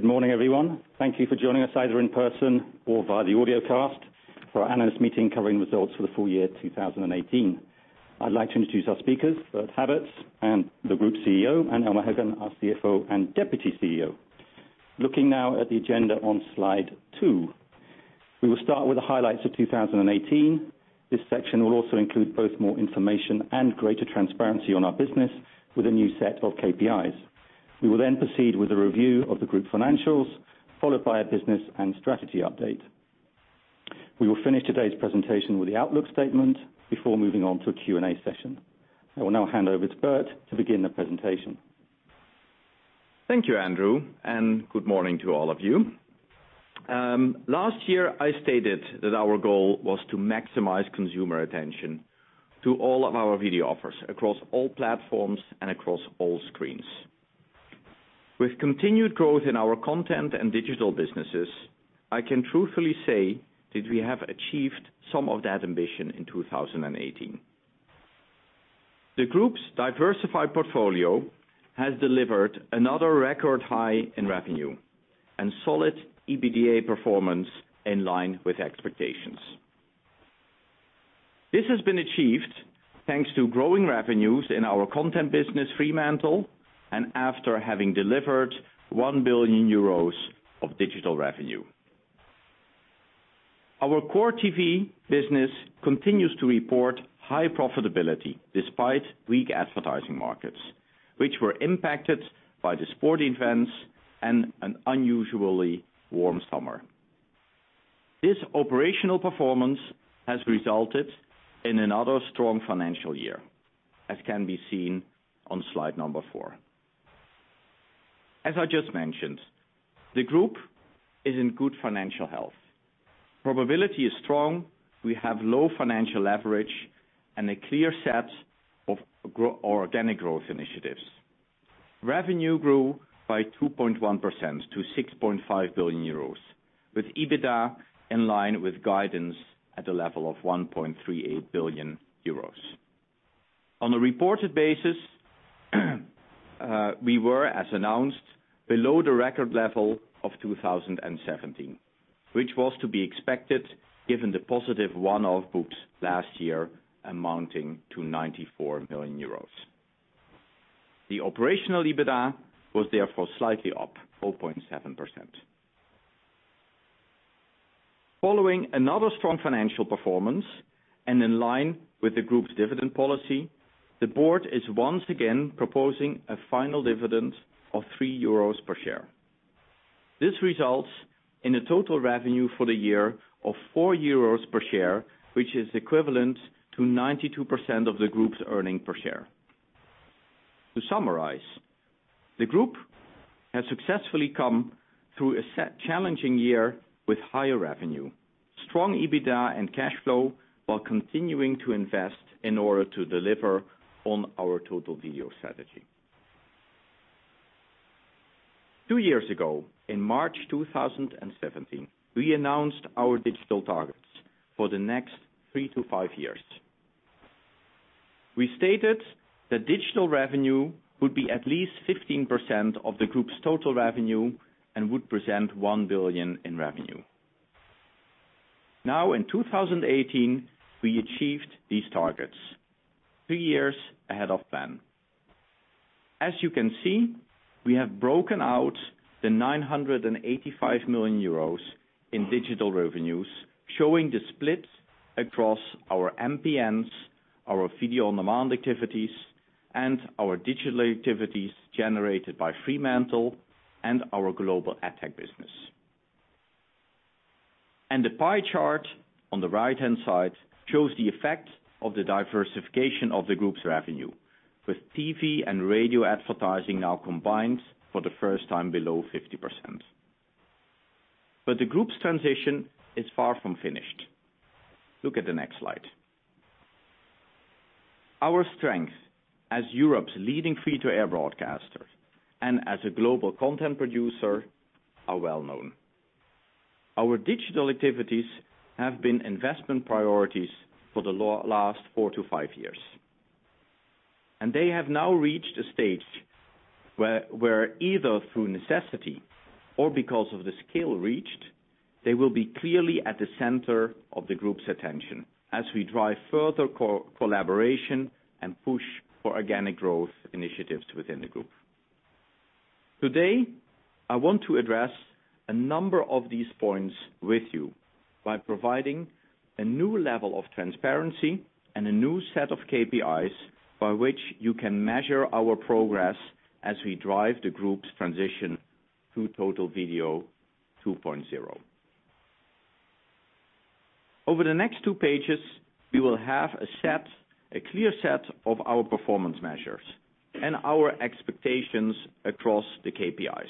Good morning, everyone. Thank you for joining us either in person or via the audio cast for our analyst meeting covering results for the full year 2018. I'd like to introduce our speakers, Bert Habets, the Group CEO, and Elmar Heggen, our CFO and Deputy CEO. Looking now at the agenda on slide two. We will start with the highlights of 2018. This section will also include both more information and greater transparency on our business with a new set of KPIs. We will then proceed with a review of the group financials, followed by a business and strategy update. We will finish today's presentation with the outlook statement before moving on to a Q&A session. I will now hand over to Bert to begin the presentation. Thank you, Andrew. Good morning to all of you. Last year, I stated that our goal was to maximize consumer attention to all of our video offers, across all platforms and across all screens. With continued growth in our content and digital businesses, I can truthfully say that we have achieved some of that ambition in 2018. The group's diversified portfolio has delivered another record high in revenue and solid EBITDA performance in line with expectations. This has been achieved thanks to growing revenues in our content business, Fremantle, after having delivered 1 billion euros of digital revenue. Our core TV business continues to report high profitability despite weak advertising markets, which were impacted by the sporting events and an unusually warm summer. This operational performance has resulted in another strong financial year, as can be seen on slide number four. As I just mentioned, the group is in good financial health. Profitability is strong, we have low financial leverage, and a clear set of organic growth initiatives. Revenue grew by 2.1% to 6.5 billion euros, with EBITDA in line with guidance at a level of 1.38 billion euros. On a reported basis, we were, as announced, below the record level of 2017, which was to be expected given the positive one-off books last year amounting to 94 million euros. The operational EBITDA was therefore slightly up 4.7%. Following another strong financial performance and in line with the group's dividend policy, the board is once again proposing a final dividend of 3 euros per share. This results in a total revenue for the year of 4 euros per share, which is equivalent to 92% of the group's earning per share. To summarize, the group has successfully come through a set challenging year with higher revenue, strong EBITDA, and cash flow while continuing to invest in order to deliver on our Total Video strategy. Two years ago, in March 2017, we announced our digital targets for the next three to five years. We stated that digital revenue would be at least 15% of the group's total revenue and would present 1 billion in revenue. Now, in 2018, we achieved these targets, two years ahead of plan. As you can see, we have broken out the 985 million euros in digital revenues, showing the split across our MPNs, our video on-demand activities, and our digital activities generated by Fremantle and our global ad tech business. The pie chart on the right-hand side shows the effect of the diversification of the group's revenue, with TV and radio advertising now combined for the first time below 50%. The group's transition is far from finished. Look at the next slide. Our strength as Europe's leading free-to-air broadcaster and as a global content producer are well-known. Our digital activities have been investment priorities for the last four to five years, and they have now reached a stage where either through necessity or because of the scale reached, they will be clearly at the center of the group's attention as we drive further collaboration and push for organic growth initiatives within the group. Today, I want to address a number of these points with you by providing a new level of transparency and a new set of KPIs by which you can measure our progress as we drive the group's transition to Total Video 2.0. Over the next two pages, we will have a clear set of our performance measures and our expectations across the KPIs,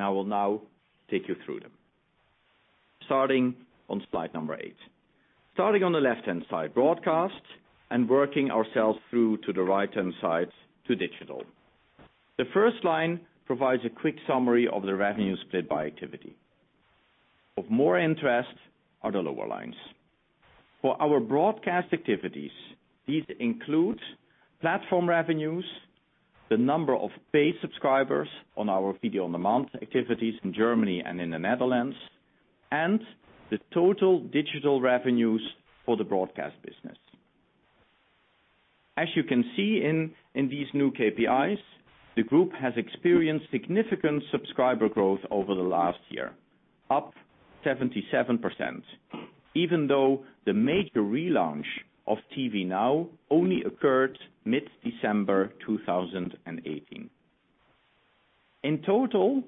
I will now take you through them. Starting on slide number eight. Starting on the left-hand side, broadcast, and working ourselves through to the right-hand side to digital. The first line provides a quick summary of the revenue split by activity. Of more interest are the lower lines. For our broadcast activities, these include platform revenues, the number of paid subscribers on our video-on-demand activities in Germany and in the Netherlands, and the total digital revenues for the broadcast business. As you can see in these new KPIs, the group has experienced significant subscriber growth over the last year, up 77%, even though the major relaunch of TV Now only occurred mid-December 2018. In total,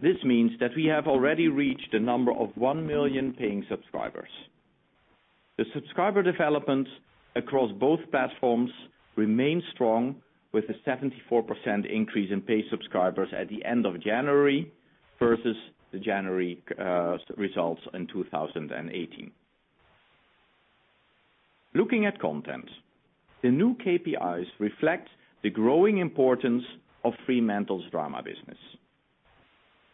this means that we have already reached a number of 1 million paying subscribers. The subscriber development across both platforms remains strong, with a 74% increase in paid subscribers at the end of January versus the January results in 2018. Looking at content, the new KPIs reflect the growing importance of Fremantle's drama business.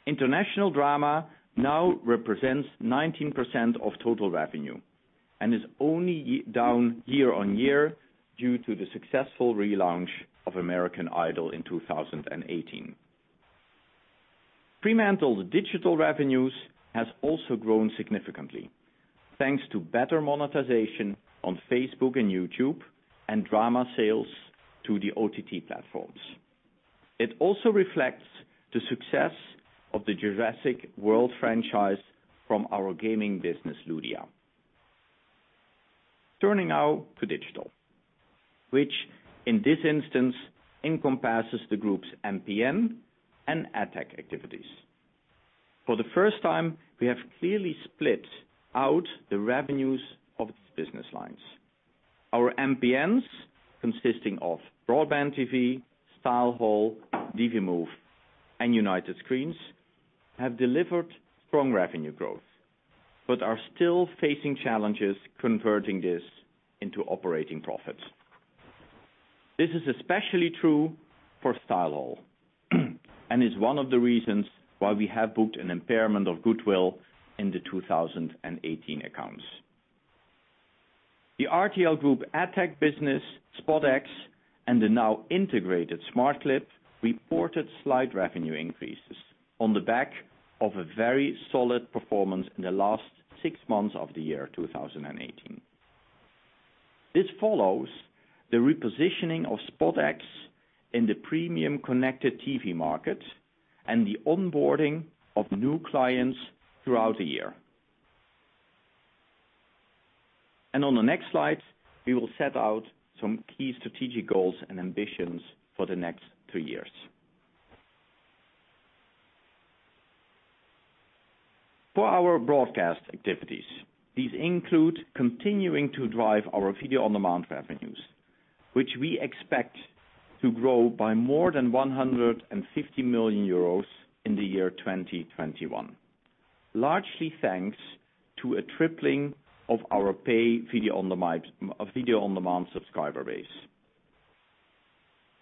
International drama now represents 19% of total revenue and is only down year-on-year due to the successful relaunch of American Idol in 2018. Fremantle's digital revenues has also grown significantly, thanks to better monetization on Facebook and YouTube and drama sales to the OTT platforms. It also reflects the success of the Jurassic World franchise from our gaming business, Ludia. Turning now to digital, which in this instance encompasses the group's MPN and ad tech activities. For the first time, we have clearly split out the revenues of its business lines. Our MPNs, consisting of BroadbandTV, StyleHaul, Divimove, and United Screens, have delivered strong revenue growth, but are still facing challenges converting this into operating profits. This is especially true for StyleHaul, and is one of the reasons why we have booked an impairment of goodwill in the 2018 accounts. The RTL Group ad tech business, SpotX, and the now integrated smartclip reported slight revenue increases on the back of a very solid performance in the last six months of the year 2018. This follows the repositioning of SpotX in the premium connected TV market and the onboarding of new clients throughout the year. On the next slide, we will set out some key strategic goals and ambitions for the next three years. For our broadcast activities, these include continuing to drive our video-on-demand revenues, which we expect to grow by more than 150 million euros in the year 2021, largely thanks to a tripling of our paid video-on-demand subscriber base.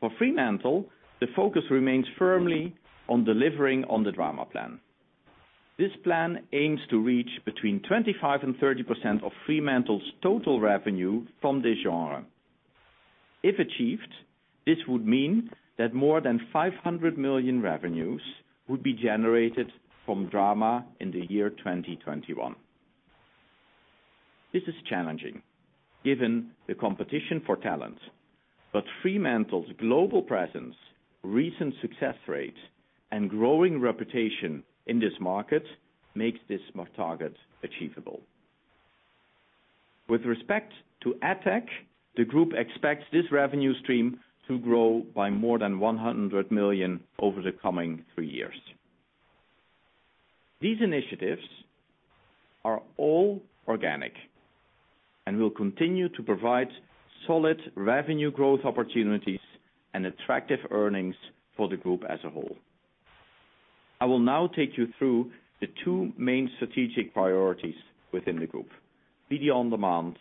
For Fremantle, the focus remains firmly on delivering on the drama plan. This plan aims to reach between 25% and 30% of Fremantle's total revenue from this genre. If achieved, this would mean that more than 500 million revenues would be generated from drama in the year 2021. This is challenging given the competition for talent, but Fremantle's global presence, recent success rates, and growing reputation in this market makes this target achievable. With respect to ad tech, the group expects this revenue stream to grow by more than 100 million over the coming three years. These initiatives are all organic and will continue to provide solid revenue growth opportunities and attractive earnings for the group as a whole. I will now take you through the two main strategic priorities within the group, video-on-demand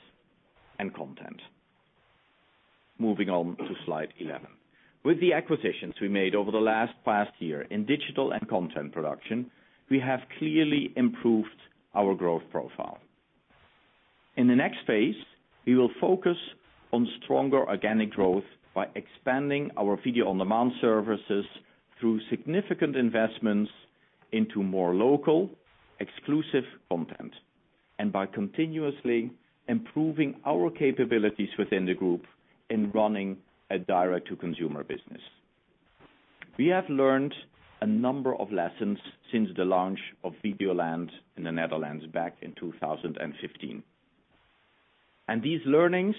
and content. Moving on to slide 11. With the acquisitions we made over the last past year in digital and content production, we have clearly improved our growth profile. In the next phase, we will focus on stronger organic growth by expanding our video-on-demand services through significant investments into more local, exclusive content and by continuously improving our capabilities within the group in running a direct-to-consumer business. We have learned a number of lessons since the launch of Videoland in the Netherlands back in 2015, these learnings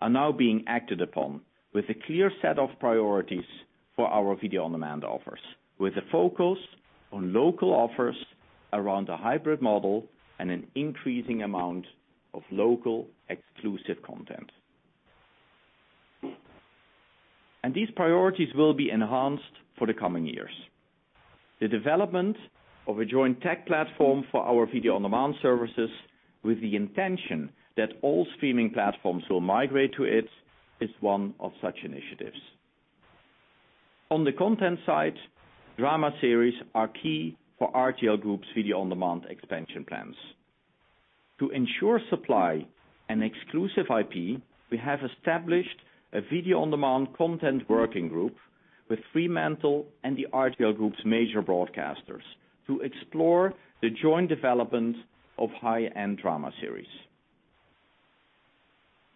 are now being acted upon with a clear set of priorities for our video-on-demand offers, with a focus on local offers around a hybrid model and an increasing amount of local exclusive content. These priorities will be enhanced for the coming years. The development of a joint tech platform for our video-on-demand services with the intention that all streaming platforms will migrate to it is one of such initiatives. On the content side, drama series are key for RTL Group's video-on-demand expansion plans. To ensure supply and exclusive IP, we have established a video-on-demand content working group with Fremantle and the RTL Group's major broadcasters to explore the joint development of high-end drama series.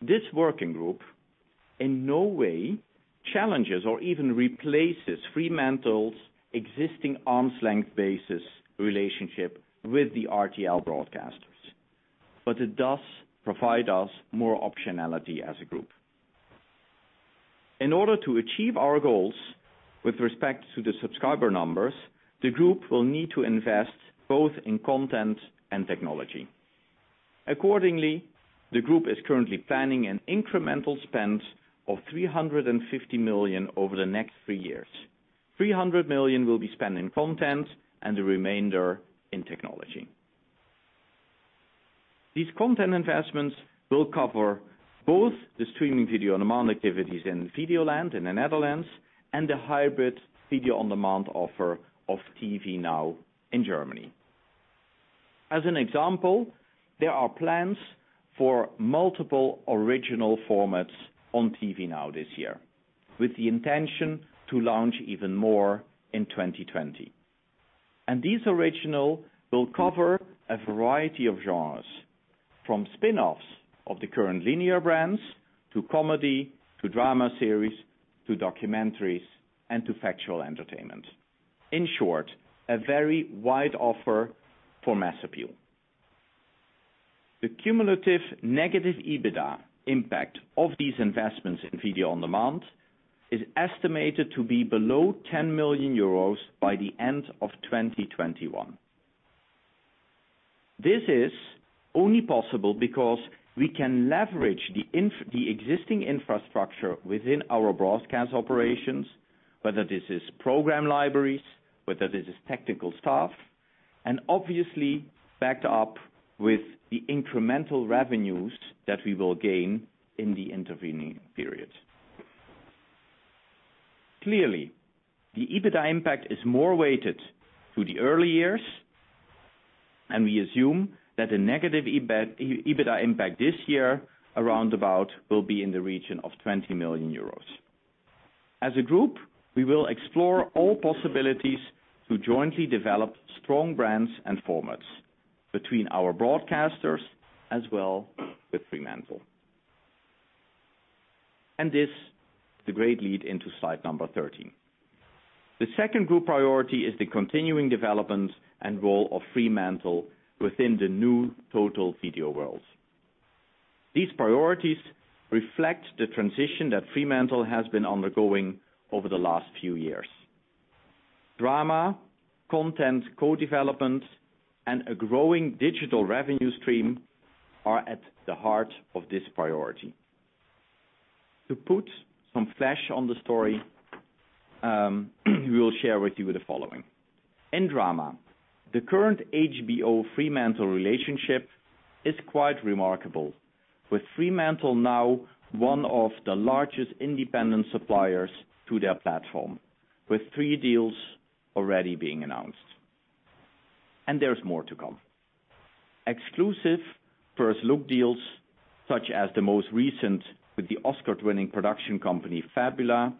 This working group in no way challenges or even replaces Fremantle's existing arm's length basis relationship with the RTL broadcasters, it does provide us more optionality as a group. In order to achieve our goals with respect to the subscriber numbers, the group will need to invest both in content and technology. Accordingly, the group is currently planning an incremental spend of 350 million over the next three years. 300 million will be spent in content and the remainder in technology. These content investments will cover both the streaming video-on-demand activities in Videoland, in the Netherlands, and the hybrid video-on-demand offer of TV NOW in Germany. As an example, there are plans for multiple original formats on TV NOW this year, with the intention to launch even more in 2020. These originals will cover a variety of genres, from spin-offs of the current linear brands to comedy, to drama series, to documentaries, and to factual entertainment. In short, a very wide offer for mass appeal. The cumulative negative EBITDA impact of these investments in video-on-demand is estimated to be below 10 million euros by the end of 2021. This is only possible because we can leverage the existing infrastructure within our broadcast operations, whether this is program libraries, whether this is technical staff, and obviously backed up with the incremental revenues that we will gain in the intervening periods. Clearly, the EBITDA impact is more weighted to the early years, and we assume that the negative EBITDA impact this year around about will be in the region of 20 million euros. As a group, we will explore all possibilities to jointly develop strong brands and formats between our broadcasters as well with Fremantle. This is the great lead into slide 13. The second group priority is the continuing development and role of Fremantle within the new total video world. These priorities reflect the transition that Fremantle has been undergoing over the last few years. Drama, content, co-development, and a growing digital revenue stream are at the heart of this priority. To put some flesh on the story, we will share with you the following. In drama, the current HBO Fremantle relationship is quite remarkable, with Fremantle now one of the largest independent suppliers to their platform, with three deals already being announced. There is more to come. Exclusive first-look deals, such as the most recent with the Oscar-winning production company, Fabula,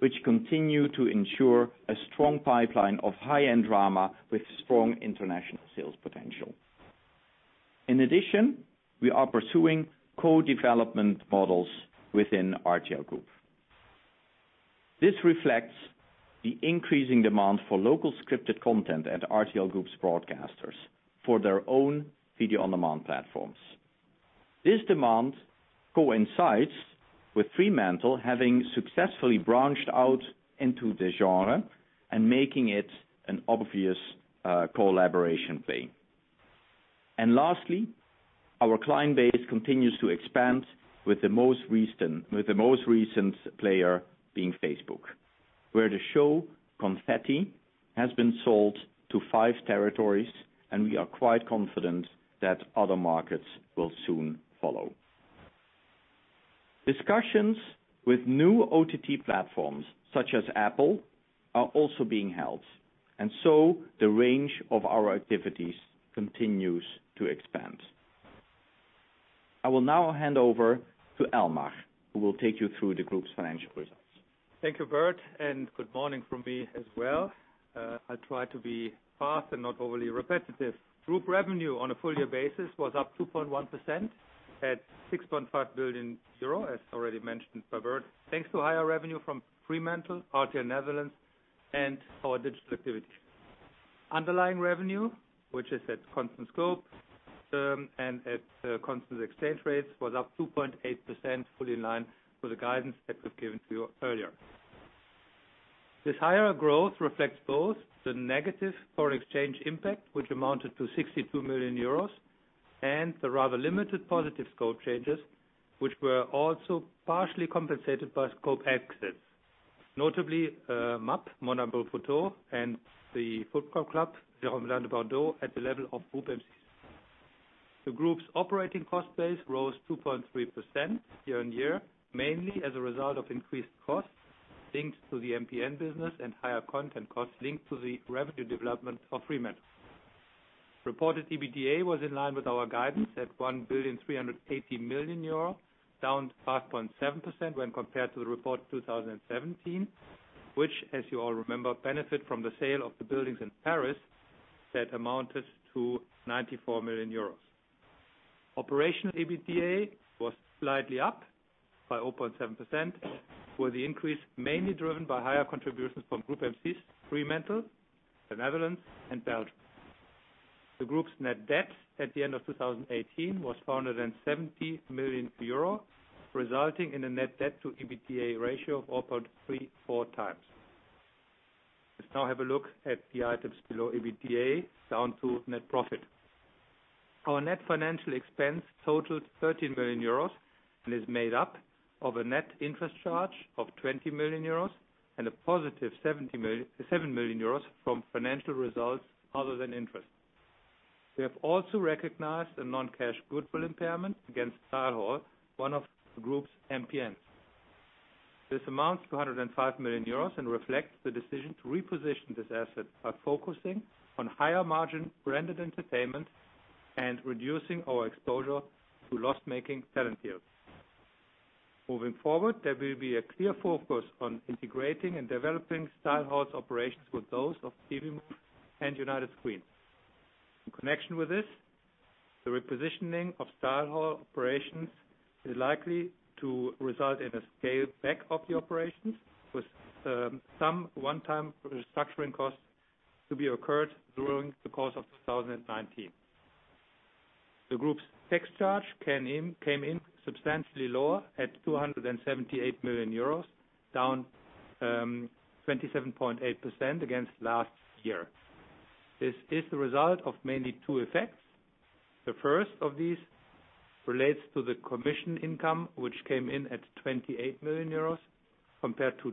which continue to ensure a strong pipeline of high-end drama with strong international sales potential. In addition, we are pursuing co-development models within RTL Group. This reflects the increasing demand for local scripted content at RTL Group's broadcasters for their own video-on-demand platforms. This demand coincides with Fremantle having successfully branched out into the genre and making it an obvious collaboration play. Lastly, our client base continues to expand with the most recent player being Facebook, where the show "Confetti" has been sold to five territories, and we are quite confident that other markets will soon follow. Discussions with new OTT platforms such as Apple are also being held, so the range of our activities continues to expand. I will now hand over to Elmar, who will take you through the group's financial results. Thank you, Bert, and good morning from me as well. I'll try to be fast and not overly repetitive. Group revenue on a full year basis was up 2.1% at 6.5 billion euro, as already mentioned by Bert, thanks to higher revenue from Fremantle, RTL Nederland, and our digital activity. Underlying revenue, which is at constant scope, and at constant exchange rates, was up 2.8%, fully in line with the guidance that we've given to you earlier. This higher growth reflects both the negative foreign exchange impact, which amounted to 62 million euros, and the rather limited positive scope changes, which were also partially compensated by scope exits. Notably, MAP, Mon Abonnement Photo, and the football club, Girondins de Bordeaux, at the level of Groupe M6. The group's operating cost base rose 2.3% year-on-year, mainly as a result of increased costs linked to the MPN business and higher content costs linked to the revenue development of Fremantle. Reported EBITDA was in line with our guidance at 1.38 billion euro, down 5.7% when compared to the report 2017, which, as you all remember, benefit from the sale of the buildings in Paris that amounted to 94 million euros. Operational EBITDA was slightly up by 0.7%, with the increase mainly driven by higher contributions from Groupe M6, Fremantle, RTL Nederland, and Belgium. The group's net debt at the end of 2018 was 470 million euro, resulting in a net debt to EBITDA ratio of 0.34x. Let's now have a look at the items below EBITDA down to net profit. Our net financial expense totaled 13 million euros, and is made up of a net interest charge of 20 million euros and a positive 7 million euros from financial results other than interest. We have also recognized a non-cash goodwill impairment against StyleHaul, one of the group's MPNs. This amounts to 105 million euros and reflects the decision to reposition this asset by focusing on higher margin branded entertainment and reducing our exposure to loss-making talent deals. Moving forward, there will be a clear focus on integrating and developing StyleHaul's operations with those of Divimove and United Screens. In connection with this, the repositioning of StyleHaul operations is likely to result in a scale back of the operations, with some one-time restructuring costs to be incurred during the course of 2019. The group's tax charge came in substantially lower at 278 million euros, down 27.8% against last year. This is the result of mainly two effects. The first of these relates to the commission income, which came in at 28 million euros compared to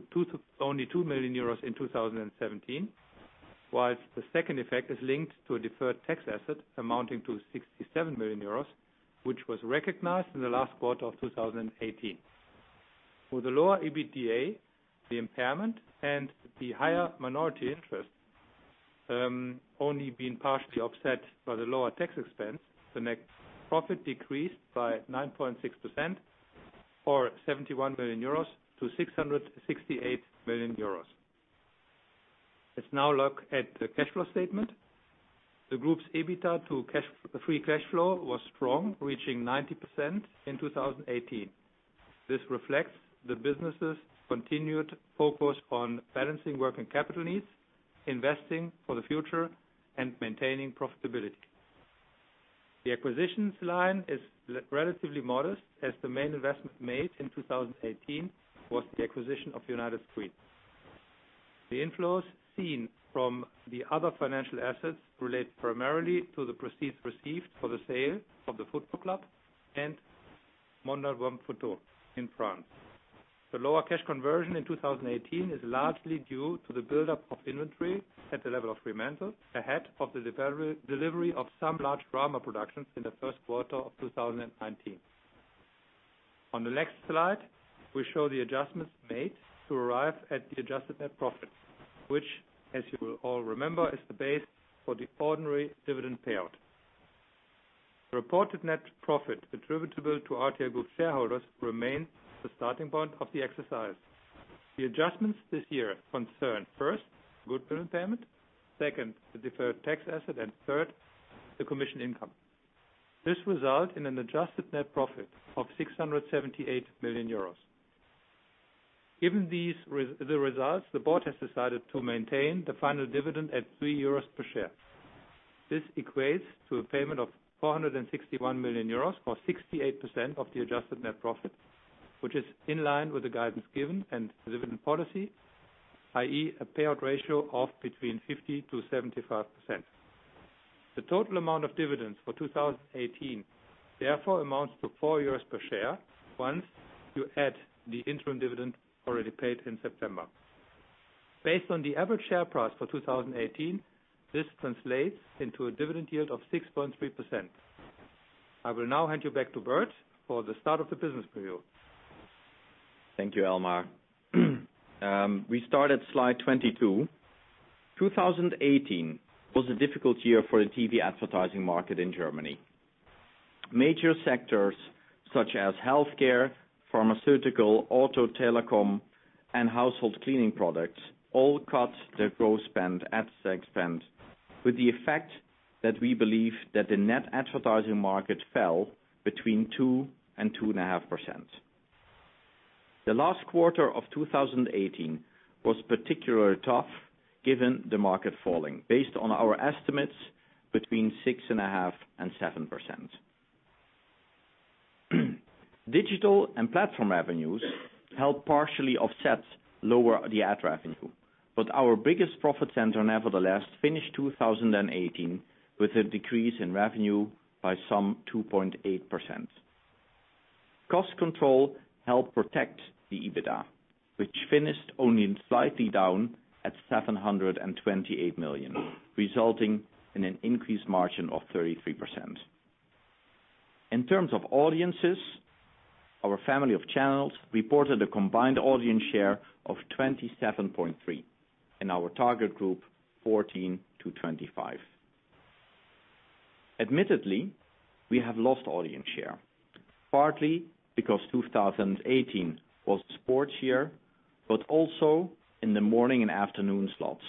only 2 million euros in 2017. The second effect is linked to a deferred tax asset amounting to 67 million euros, which was recognized in the last quarter of 2018. For the lower EBITDA, the impairment, and the higher minority interest, only been partially offset by the lower tax expense, the net profit decreased by 9.6% or 71 million euros to 668 million euros. Let's now look at the cash flow statement. The group's EBITDA to free cash flow was strong, reaching 90% in 2018. This reflects the business's continued focus on balancing working capital needs, investing for the future, and maintaining profitability. The acquisitions line is relatively modest as the main investment made in 2018 was the acquisition of United Screens. The inflows seen from the other financial assets relate primarily to the proceeds received for the sale of the football club and Mon Abonnement Photo in France. The lower cash conversion in 2018 is largely due to the buildup of inventory at the level of Fremantle, ahead of the delivery of some large drama productions in the first quarter of 2019. On the next slide, we show the adjustments made to arrive at the adjusted net profit, which, as you will all remember, is the base for the ordinary dividend payout. The reported net profit attributable to RTL Group shareholders remains the starting point of the exercise. The adjustments this year concern, first, goodwill impairment, second, the deferred tax asset, and third, the commission income. This result in an adjusted net profit of 678 million euros. Given the results, the board has decided to maintain the final dividend at 3 euros per share. This equates to a payment of 461 million euros or 68% of the adjusted net profit, which is in line with the guidance given and the dividend policy, i.e., a payout ratio of between 50%-75%. The total amount of dividends for 2018 therefore amounts to 4 euros per share once you add the interim dividend already paid in September. Based on the average share price for 2018, this translates into a dividend yield of 6.3%. I will now hand you back to Bert for the start of the business review. Thank you, Elmar. We start at slide 22. 2018 was a difficult year for the TV advertising market in Germany. Major sectors such as healthcare, pharmaceutical, auto, telecom, and household cleaning products all cut their gross spend, ad spend with the effect that we believe that the net advertising market fell between 2%-2.5%. The last quarter of 2018 was particularly tough given the market falling based on our estimates between 6.5%-7%. Digital and platform revenues helped partially offset lower the ad revenue, but our biggest profit center nevertheless finished 2018 with a decrease in revenue by some 2.8%. Cost control helped protect the EBITDA, which finished only slightly down at 728 million, resulting in an increased margin of 33%. In terms of audiences, our family of channels reported a combined audience share of 27.3% in our target group 14 to 25. Admittedly, we have lost audience share, partly because 2018 was a sports year, but also in the morning and afternoon slots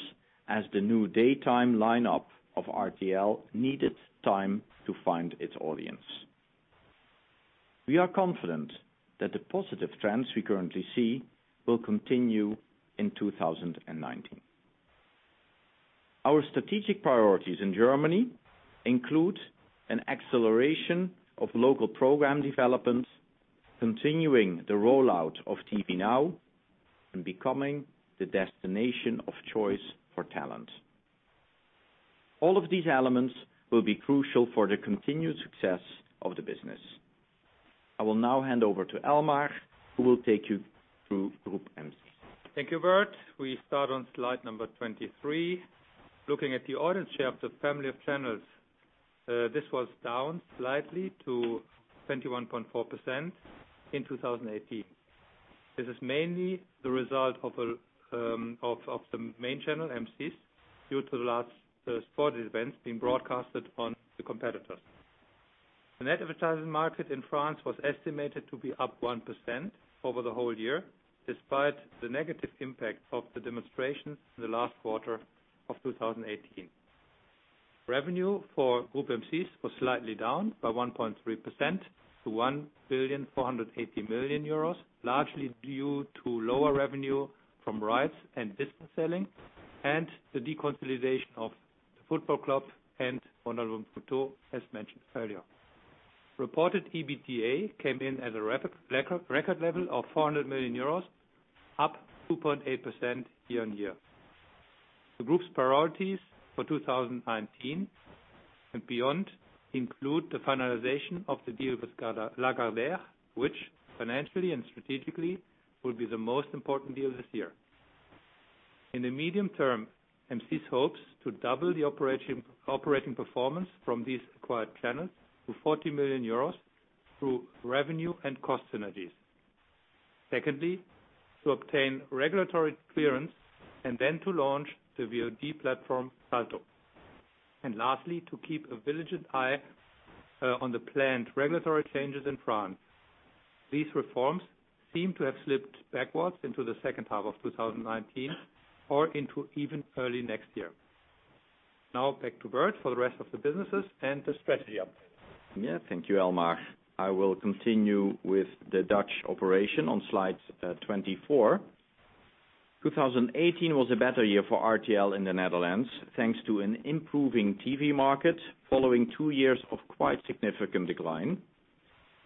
as the new daytime lineup of RTL needed time to find its audience. We are confident that the positive trends we currently see will continue in 2019. Our strategic priorities in Germany include an acceleration of local program development, continuing the rollout of TV Now, and becoming the destination of choice for talent. All of these elements will be crucial for the continued success of the business. I will now hand over to Elmar, who will take you through Groupe M6. Thank you, Bert. We start on slide 23. Looking at the audience share of the family of channels. This was down slightly to 21.4% in 2018. This is mainly the result of the main channel, M6, due to the last sports events being broadcasted on the competitors. The net advertising market in France was estimated to be up 1% over the whole year, despite the negative impact of the demonstrations in the last quarter of 2018. Revenue for Groupe M6 was slightly down by 1.3% to 1.48 billion, largely due to lower revenue from rights and business selling and the deconsolidation of the football club and, as mentioned earlier. Reported EBITDA came in at a record level of 400 million euros, up 2.8% year-on-year. The group's priorities for 2019 and beyond include the finalization of the deal with Lagardère, which financially and strategically will be the most important deal this year. In the medium term, M6 hopes to double the operating performance from these acquired channels to 40 million euros through revenue and cost synergies. Secondly, to obtain regulatory clearance and then to launch the VOD platform, Salto. Lastly, to keep a vigilant eye on the planned regulatory changes in France. These reforms seem to have slipped backwards into the second half of 2019 or into even early next year. Back to Bert for the rest of the businesses and the strategy update. Thank you, Elmar. I will continue with the Dutch operation on slide 24. 2018 was a better year for RTL in the Netherlands, thanks to an improving TV market following two years of quite significant decline.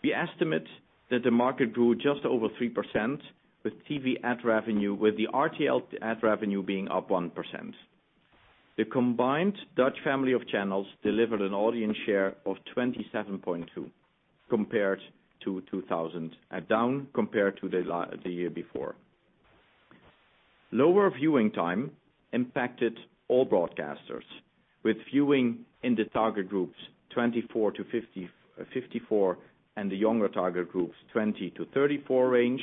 We estimate that the market grew just over 3% with the RTL ad revenue being up 1%. The combined Dutch family of channels delivered an audience share of 27.2 down compared to the year before. Lower viewing time impacted all broadcasters with viewing in the target groups 24 to 54, and the younger target groups, 20 to 34 range,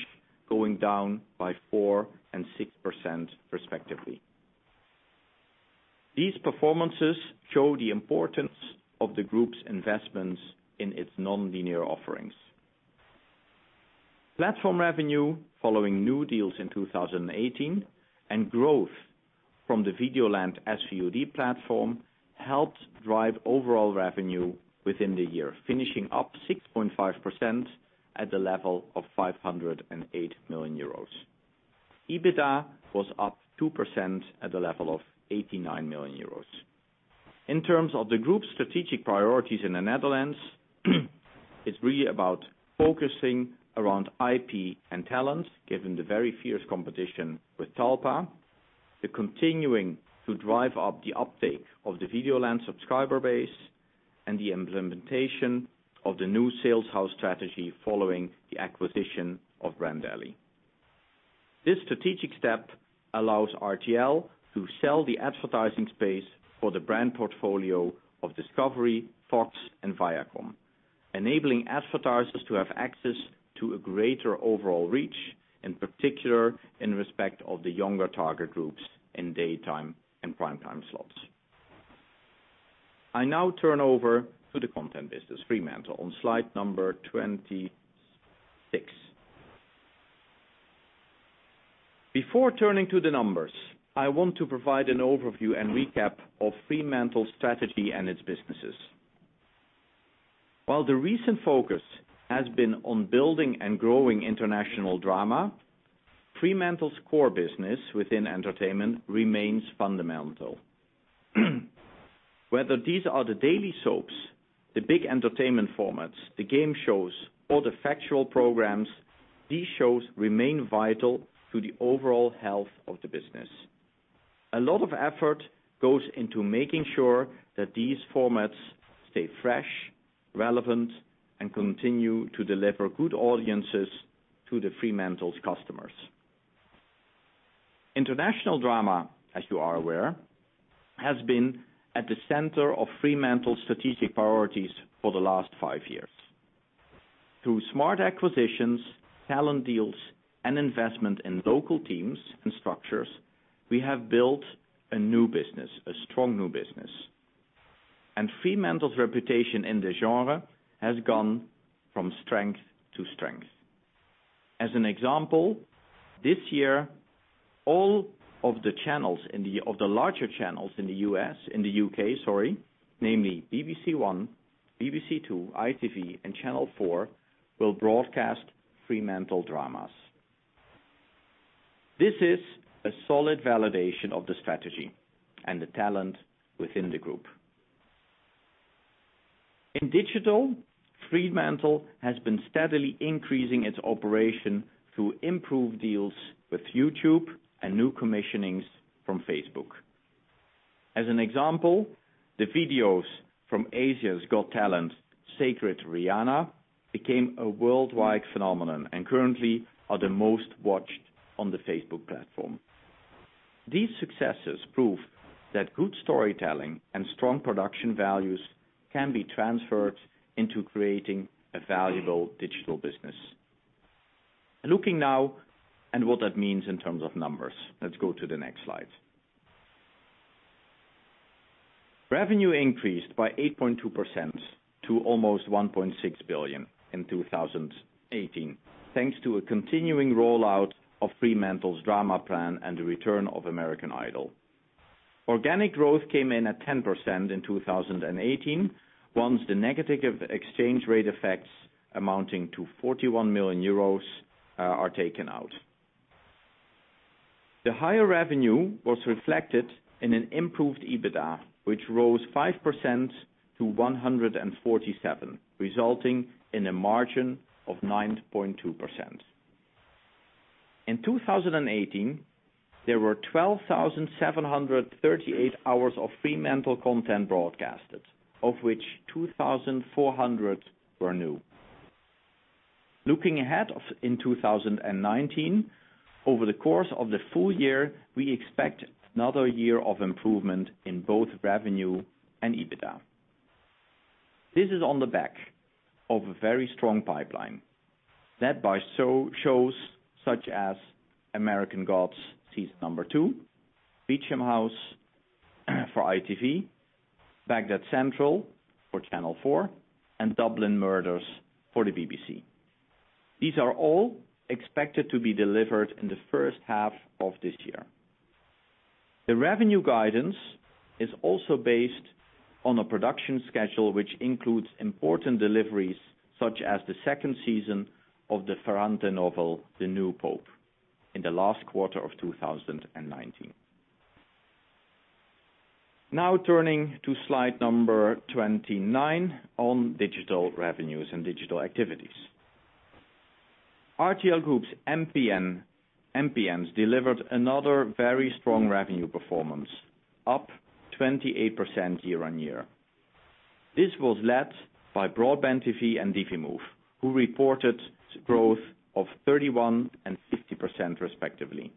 going down by 4% and 6% respectively. These performances show the importance of the group's investments in its non-linear offerings. Platform revenue following new deals in 2018 and growth from the Videoland SVOD platform helped drive overall revenue within the year, finishing up 6.5% at the level of 508 million euros. EBITDA was up 2% at the level of 89 million euros. In terms of the group's strategic priorities in the Netherlands, it's really about focusing around IP and talent, given the very fierce competition with Talpa, the continuing to drive up the uptake of the Videoland subscriber base, and the implementation of the new sales house strategy following the acquisition of BrandDeli. This strategic step allows RTL to sell the advertising space for the brand portfolio of Discovery, Fox, and Viacom, enabling advertisers to have access to a greater overall reach, in particular, in respect of the younger target groups in daytime and prime time slots. I turn over to the content business, Fremantle, on slide 26. Before turning to the numbers, I want to provide an overview and recap of Fremantle's strategy and its businesses. While the recent focus has been on building and growing international drama, Fremantle's core business within entertainment remains fundamental. Whether these are the daily soaps, the big entertainment formats, the game shows, or the factual programs, these shows remain vital to the overall health of the business. A lot of effort goes into making sure that these formats stay fresh, relevant, and continue to deliver good audiences to Fremantle's customers. International drama, as you are aware, has been at the center of Fremantle strategic priorities for the last five years. Through smart acquisitions, talent deals, and investment in local teams and structures, we have built a new business, a strong new business. Fremantle's reputation in the genre has gone from strength to strength. As an example, this year, all of the larger channels in the U.K., namely BBC One, BBC Two, ITV, and Channel 4, will broadcast Fremantle dramas. This is a solid validation of the strategy and the talent within the group. In digital, Fremantle has been steadily increasing its operation through improved deals with YouTube and new commissionings from Facebook. As an example, the videos from "Asia's Got Talent," Sacred Riana, became a worldwide phenomenon and currently are the most watched on the Facebook platform. These successes prove that good storytelling and strong production values can be transferred into creating a valuable digital business. Looking now and what that means in terms of numbers. Let's go to the next slide. Revenue increased by 8.2% to almost 1.6 billion in 2018, thanks to a continuing rollout of Fremantle's drama plan and the return of American Idol. Organic growth came in at 10% in 2018, once the negative exchange rate effects amounting to 41 million euros are taken out. The higher revenue was reflected in an improved EBITDA, which rose 5% to 147, resulting in a margin of 9.2%. In 2018, there were 12,738 hours of Fremantle content broadcasted, of which 2,400 were new. Looking ahead in 2019, over the course of the full year, we expect another year of improvement in both revenue and EBITDA. This is on the back of a very strong pipeline led by shows such as "American Gods" Season 2, "Beecham House" for ITV, "Baghdad Central" for Channel 4, and "Dublin Murders" for the BBC. These are all expected to be delivered in the first half of this year. The revenue guidance is also based on a production schedule which includes important deliveries such as the Season 2 of the Ferrante novel, "The New Pope" in the last quarter of 2019. Turning to slide number 29 on digital revenues and digital activities. RTL Group's MPNs delivered another very strong revenue performance, up 28% year-on-year. This was led by BroadbandTV and Divimove, who reported growth of 31% and 50% respectively.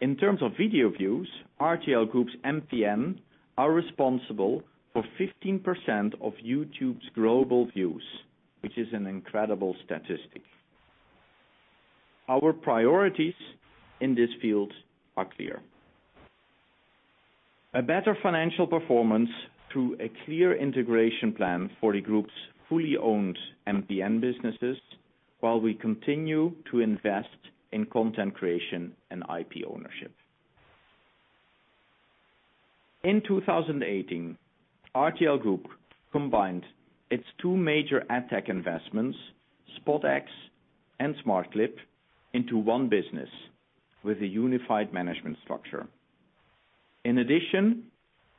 In terms of video views, RTL Group's MPN are responsible for 15% of YouTube's global views, which is an incredible statistic. Our priorities in this field are clear. A better financial performance through a clear integration plan for the group's fully owned MPN businesses, while we continue to invest in content creation and IP ownership. In 2018, RTL Group combined its two major ad tech investments, SpotX and smartclip, into one business with a unified management structure. In addition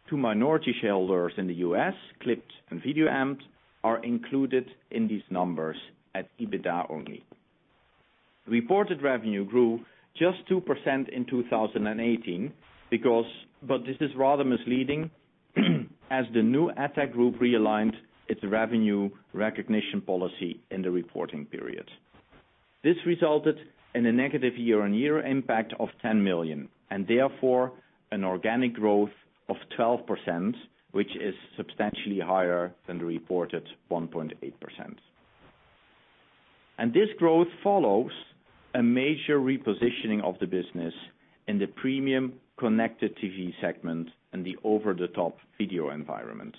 to minority shareholders in the U.S., clypd and VideoAmp are included in these numbers at EBITDA only. Reported revenue grew just 2% in 2018. This is rather misleading as the new ad tech group realigned its revenue recognition policy in the reporting period. This resulted in a negative year-over-year impact of 10 million, therefore an organic growth of 12%, which is substantially higher than the reported 1.8%. This growth follows a major repositioning of the business in the premium connected TV segment and the over-the-top video environment.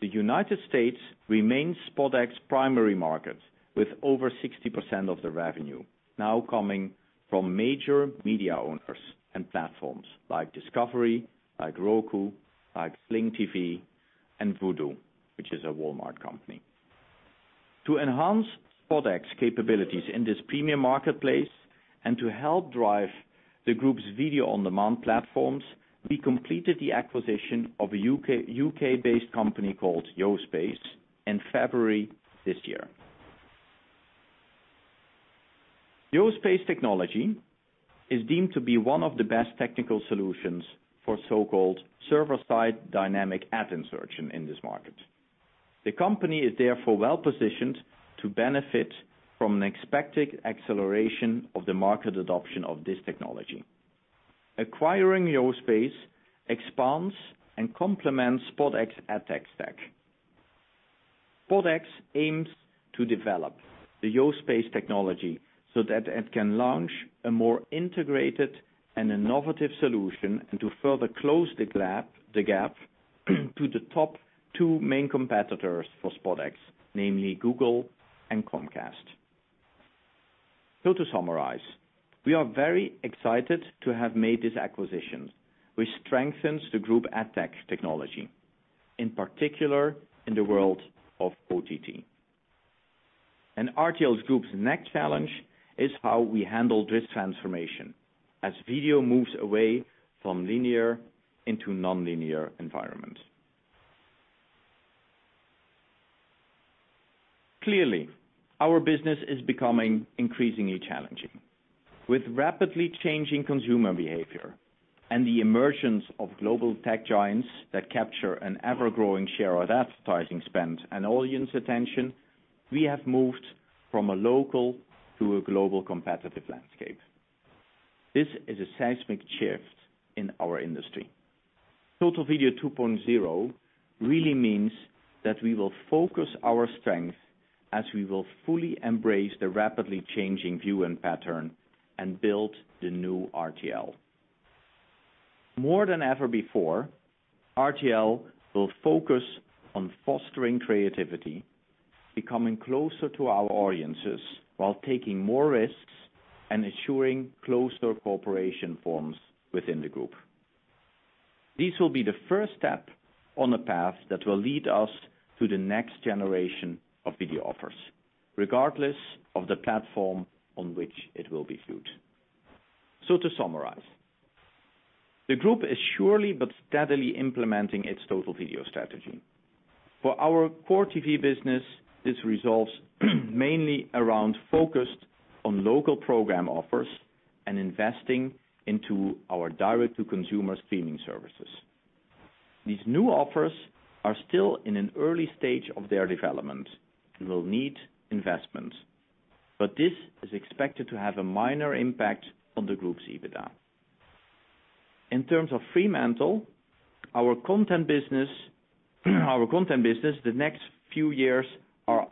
The U.S. remains SpotX's primary market with over 60% of the revenue now coming from major media owners and platforms like Discovery, Roku, Sling TV, and Vudu, which is a Walmart company. To enhance SpotX capabilities in this premium marketplace and to help drive the group's video-on-demand platforms, we completed the acquisition of a U.K.-based company called Yospace in February this year. The Yospace technology is deemed to be one of the best technical solutions for so-called server-side dynamic ad insertion in this market. The company is therefore well-positioned to benefit from an expected acceleration of the market adoption of this technology. Acquiring Yospace expands and complements SpotX ad tech stack. SpotX aims to develop the Yospace technology so that it can launch a more integrated and innovative solution and to further close the gap to the top two main competitors for SpotX, namely Google and Comcast. To summarize, we are very excited to have made this acquisition, which strengthens the group ad tech technology, in particular in the world of OTT. RTL Group's next challenge is how we handle this transformation as video moves away from linear into non-linear environments. Clearly, our business is becoming increasingly challenging. With rapidly changing consumer behavior and the emergence of global tech giants that capture an ever-growing share of advertising spend and audience attention, we have moved from a local to a global competitive landscape. This is a seismic shift in our industry. Total Video 2.0 really means that we will focus our strength as we will fully embrace the rapidly changing viewing pattern and build the new RTL. More than ever before, RTL will focus on fostering creativity, becoming closer to our audiences while taking more risks and ensuring closer cooperation forms within the group. This will be the first step on a path that will lead us to the next generation of video offers, regardless of the platform on which it will be viewed. To summarize, the group is surely but steadily implementing its total video strategy. For our core TV business, this revolves mainly around focus on local program offers and investing into our direct-to-consumer streaming services. These new offers are still in an early stage of their development and will need investment. This is expected to have a minor impact on the group's EBITDA. In terms of Fremantle, our content business, the next few years are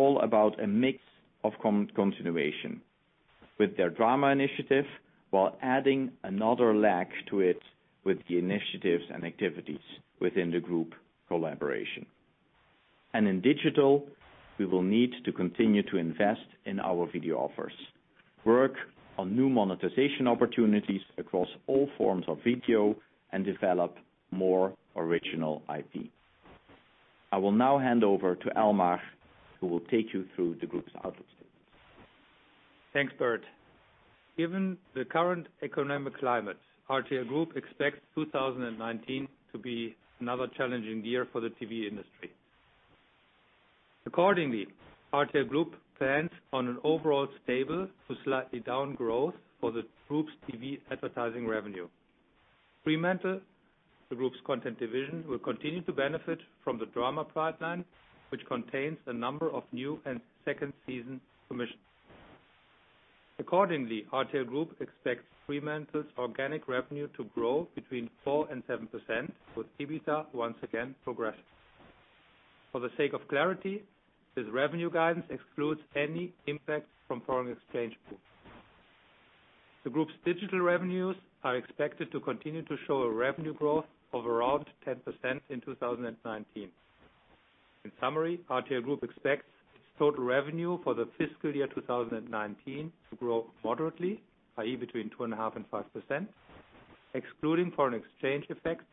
all about a mix of continuation with their drama initiative while adding another leg to it with the initiatives and activities within the group collaboration. In digital, we will need to continue to invest in our video offers, work on new monetization opportunities across all forms of video, and develop more original IP. I will now hand over to Elmar, who will take you through the group's outlook statements. Thanks, Bert. Given the current economic climate, RTL Group expects 2019 to be another challenging year for the TV industry. Accordingly, RTL Group plans on an overall stable to slightly down growth for the group's TV advertising revenue. Fremantle, the group's content division, will continue to benefit from the drama pipeline, which contains a number of new and second season commissions. Accordingly, RTL Group expects Fremantle's organic revenue to grow between 4%-7%, with EBITDA once again progressing. For the sake of clarity, this revenue guidance excludes any impact from foreign exchange pools. The group's digital revenues are expected to continue to show a revenue growth of around 10% in 2019. In summary, RTL Group expects total revenue for the fiscal year 2019 to grow moderately, i.e., between 2.5%-5%, excluding foreign exchange effects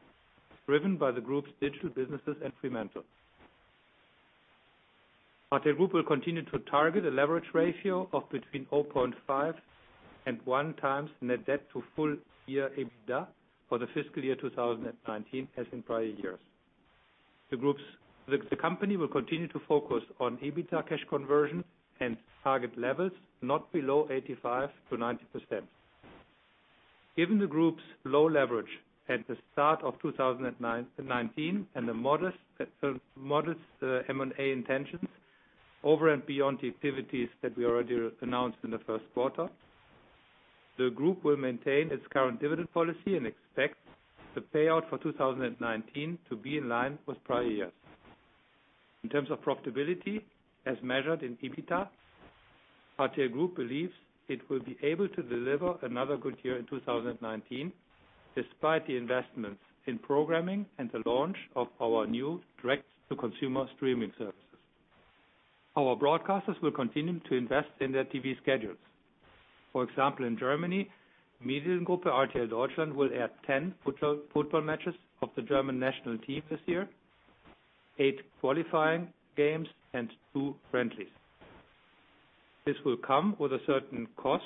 driven by the group's digital businesses and Fremantle. RTL Group will continue to target a leverage ratio of between 0.5x and 1x net debt to full year EBITDA for the fiscal year 2019, as in prior years. The company will continue to focus on EBITDA cash conversion and target levels not below 85%-90%. Given the group's low leverage at the start of 2019 and the modest M&A intentions over and beyond the activities that we already announced in the first quarter, the group will maintain its current dividend policy and expect the payout for 2019 to be in line with prior years. In terms of profitability, as measured in EBITDA, RTL Group believes it will be able to deliver another good year in 2019, despite the investments in programming and the launch of our new direct-to-consumer streaming services. Our broadcasters will continue to invest in their TV schedules. For example, in Germany, Mediengruppe RTL Deutschland will add 10 football matches of the German national team this year, eight qualifying games, and two friendlies. This will come with a certain cost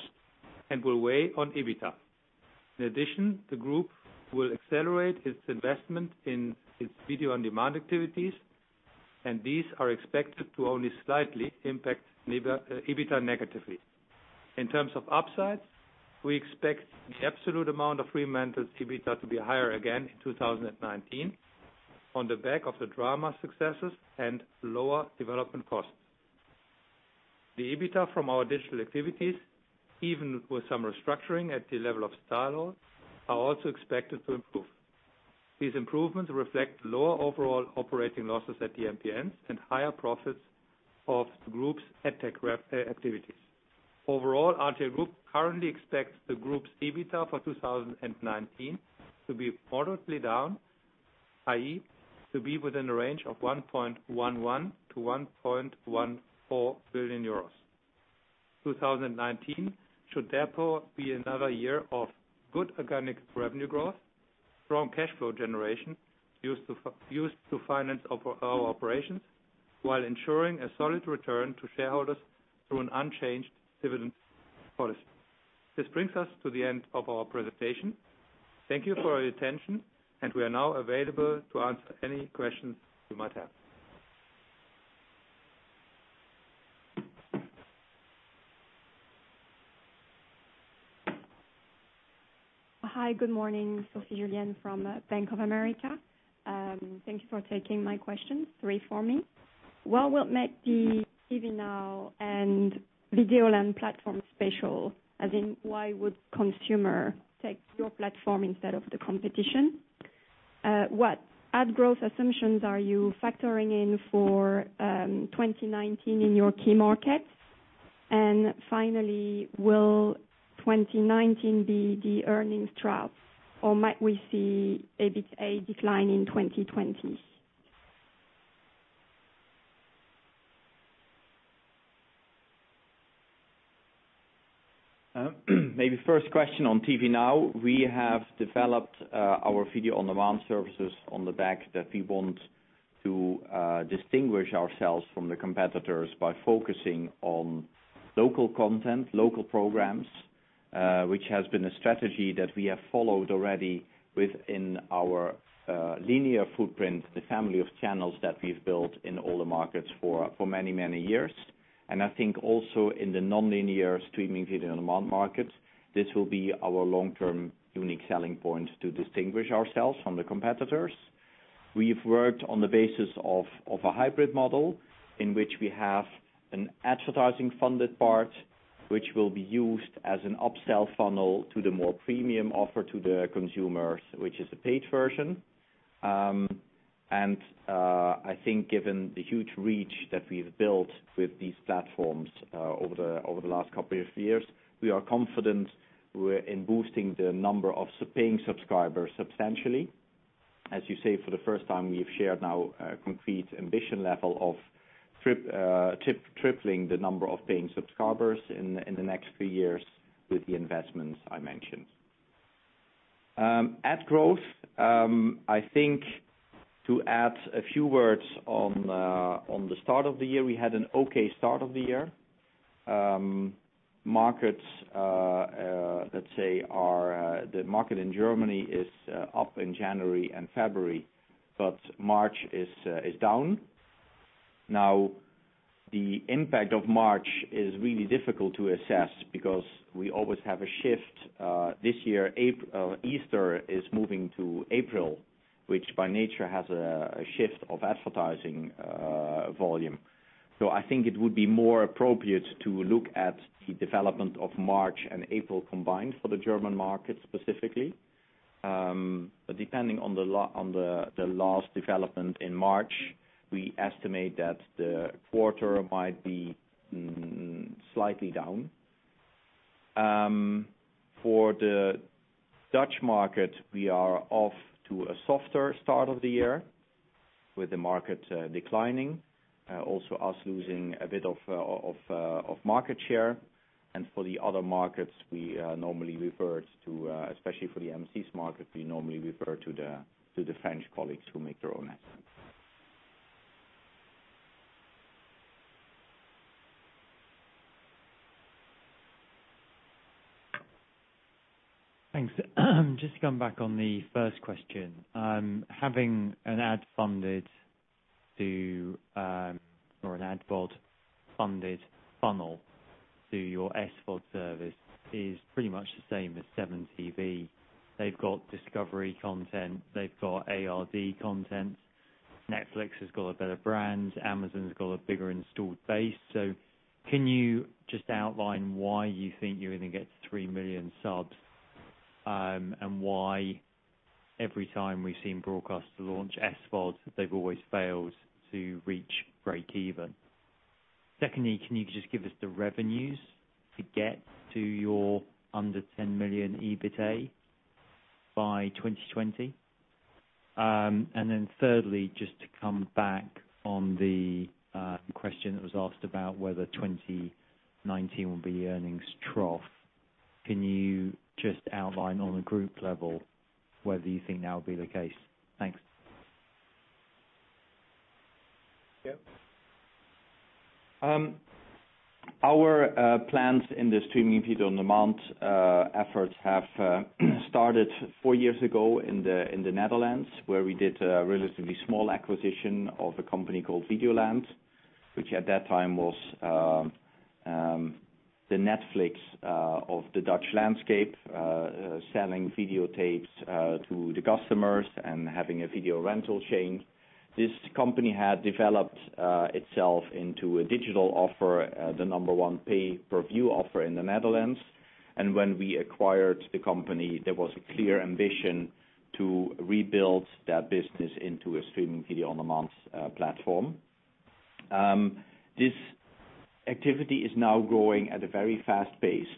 and will weigh on EBITDA. In addition, the group will accelerate its investment in its video-on-demand activities. These are expected to only slightly impact EBITDA negatively. In terms of upside, we expect the absolute amount of reinvented EBITDA to be higher again in 2019 on the back of the drama successes and lower development costs. The EBITDA from our digital activities, even with some restructuring at the level of StyleHaul, are also expected to improve. These improvements reflect lower overall operating losses at the MPNs and higher profits of the group's ad tech activities. Overall, RTL Group currently expects the group's EBITDA for 2019 to be moderately down, i.e., to be within the range of 1.11 billion-1.14 billion euros. 2019 should be another year of good organic revenue growth, strong cash flow generation, used to finance our operations while ensuring a solid return to shareholders through an unchanged dividend policy. This brings us to the end of our presentation. Thank you for your attention. We are now available to answer any questions you might have. Hi, good morning. Sophie Julienne from Bank of America. Thank you for taking my questions. Three for me. What will make the TV Now and video on platform special? As in, why would consumer take your platform instead of the competition? What ad growth assumptions are you factoring in for 2019 in your key markets? Finally, will 2019 be the earnings trough, or might we see a decline in 2020? First question on TV Now, we have developed our video-on-demand services on the back that we want to distinguish ourselves from the competitors by focusing on local content, local programs, which has been a strategy that we have followed already within our linear footprint, the family of channels that we've built in all the markets for many, many years. I think also in the non-linear streaming video-on-demand market, this will be our long-term unique selling point to distinguish ourselves from the competitors. We've worked on the basis of a hybrid model in which we have an advertising-funded part, which will be used as an upsell funnel to the more premium offer to the consumers, which is a paid version. Given the huge reach that we've built with these platforms over the last couple of years, we are confident in boosting the number of paying subscribers substantially. As you say, for the first time, we've shared now a concrete ambition level of tripling the number of paying subscribers in the next few years with the investments I mentioned. Ad growth, I think to add a few words on the start of the year, we had an okay start of the year. Markets, let's say, the market in Germany is up in January and February, but March is down. The impact of March is really difficult to assess because we always have a shift. This year, Easter is moving to April, which by nature has a shift of advertising volume. I think it would be more appropriate to look at the development of March and April combined for the German market specifically. Depending on the last development in March, we estimate that the quarter might be slightly down. For the Dutch market, we are off to a softer start of the year, with the market declining. Also us losing a bit of market share. For the other markets, we normally refer to, especially for the M6's market, we normally refer to the French colleagues who make their own estimates. Thanks. Just to come back on the first question. Having an ad VOD-funded funnel to your SVOD service is pretty much the same as 7TV. They've got Discovery content. They've got ARD content. Netflix has got a better brand. Amazon's got a bigger installed base. Can you just outline why you think you're going to get to 3 million subs, and why every time we've seen broadcasters launch SVOD, they've always failed to reach breakeven? Secondly, can you just give us the revenues to get to your under 10 million EBITDA by 2020? Thirdly, just to come back on the question that was asked about whether 2019 will be earnings trough. Can you just outline on a group level whether you think that will be the case? Thanks. Yeah. Our plans in the streaming video on demand efforts have started 4 years ago in the Netherlands, where we did a relatively small acquisition of a company called Videoland. Which at that time was the Netflix of the Dutch landscape, selling videotapes to the customers and having a video rental chain. This company had developed itself into a digital offer, the number 1 pay-per-view offer in the Netherlands. When we acquired the company, there was a clear ambition to rebuild that business into a streaming video on demand platform. This activity is now growing at a very fast pace,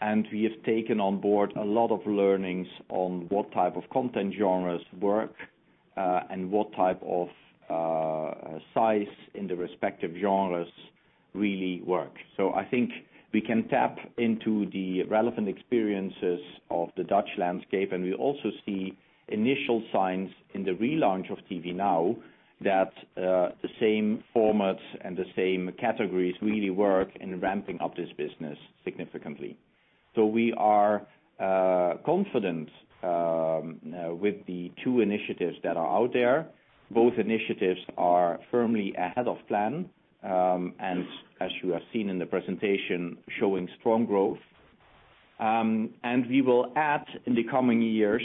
and we have taken on board a lot of learnings on what type of content genres work and what type of size in the respective genres really work. I think we can tap into the relevant experiences of the Dutch landscape, and we also see initial signs in the relaunch of TV NOW that the same formats and the same categories really work in ramping up this business significantly. We are confident with the two initiatives that are out there. Both initiatives are firmly ahead of plan. As you have seen in the presentation, showing strong growth. We will add, in the coming years,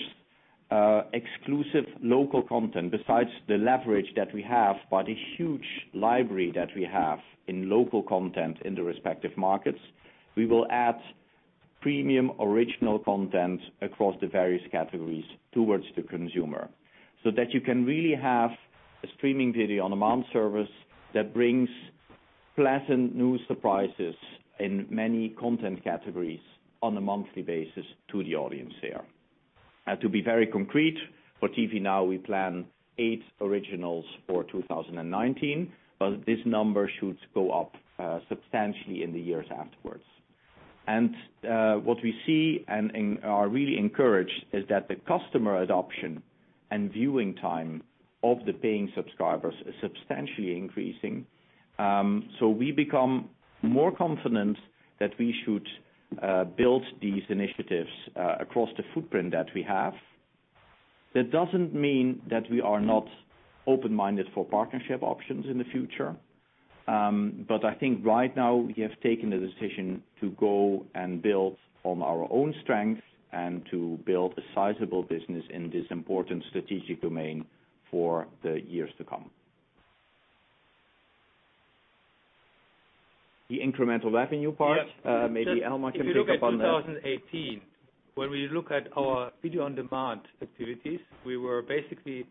exclusive local content, besides the leverage that we have, but a huge library that we have in local content in the respective markets. We will add premium original content across the various categories towards the consumer. That you can really have a streaming video-on-demand service that brings pleasant new surprises in many content categories on a monthly basis to the audience there. To be very concrete, for TV NOW, we plan eight originals for 2019, but this number should go up substantially in the years afterwards. What we see and are really encouraged, is that the customer adoption and viewing time of the paying subscribers is substantially increasing. We become more confident that we should build these initiatives across the footprint that we have. That doesn't mean that we are not open-minded for partnership options in the future. I think right now we have taken the decision to go and build on our own strengths and to build a sizable business in this important strategic domain for the years to come. The incremental revenue part- Yeah maybe Elmar can pick up on that. If you look at 2018, when we look at our video-on-demand activities, we were basically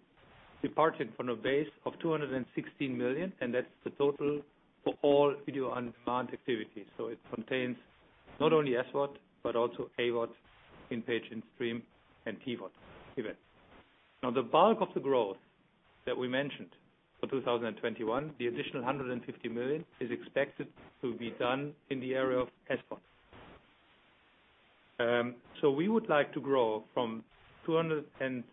departing from a base of 216 million, and that's the total for all video-on-demand activities. It contains not only SVOD, but also AVOD, in-page, in-stream, and TVOD events. Now, the bulk of the growth that we mentioned for 2021, the additional 150 million, is expected to be done in the area of SVOD. We would like to grow from 216 million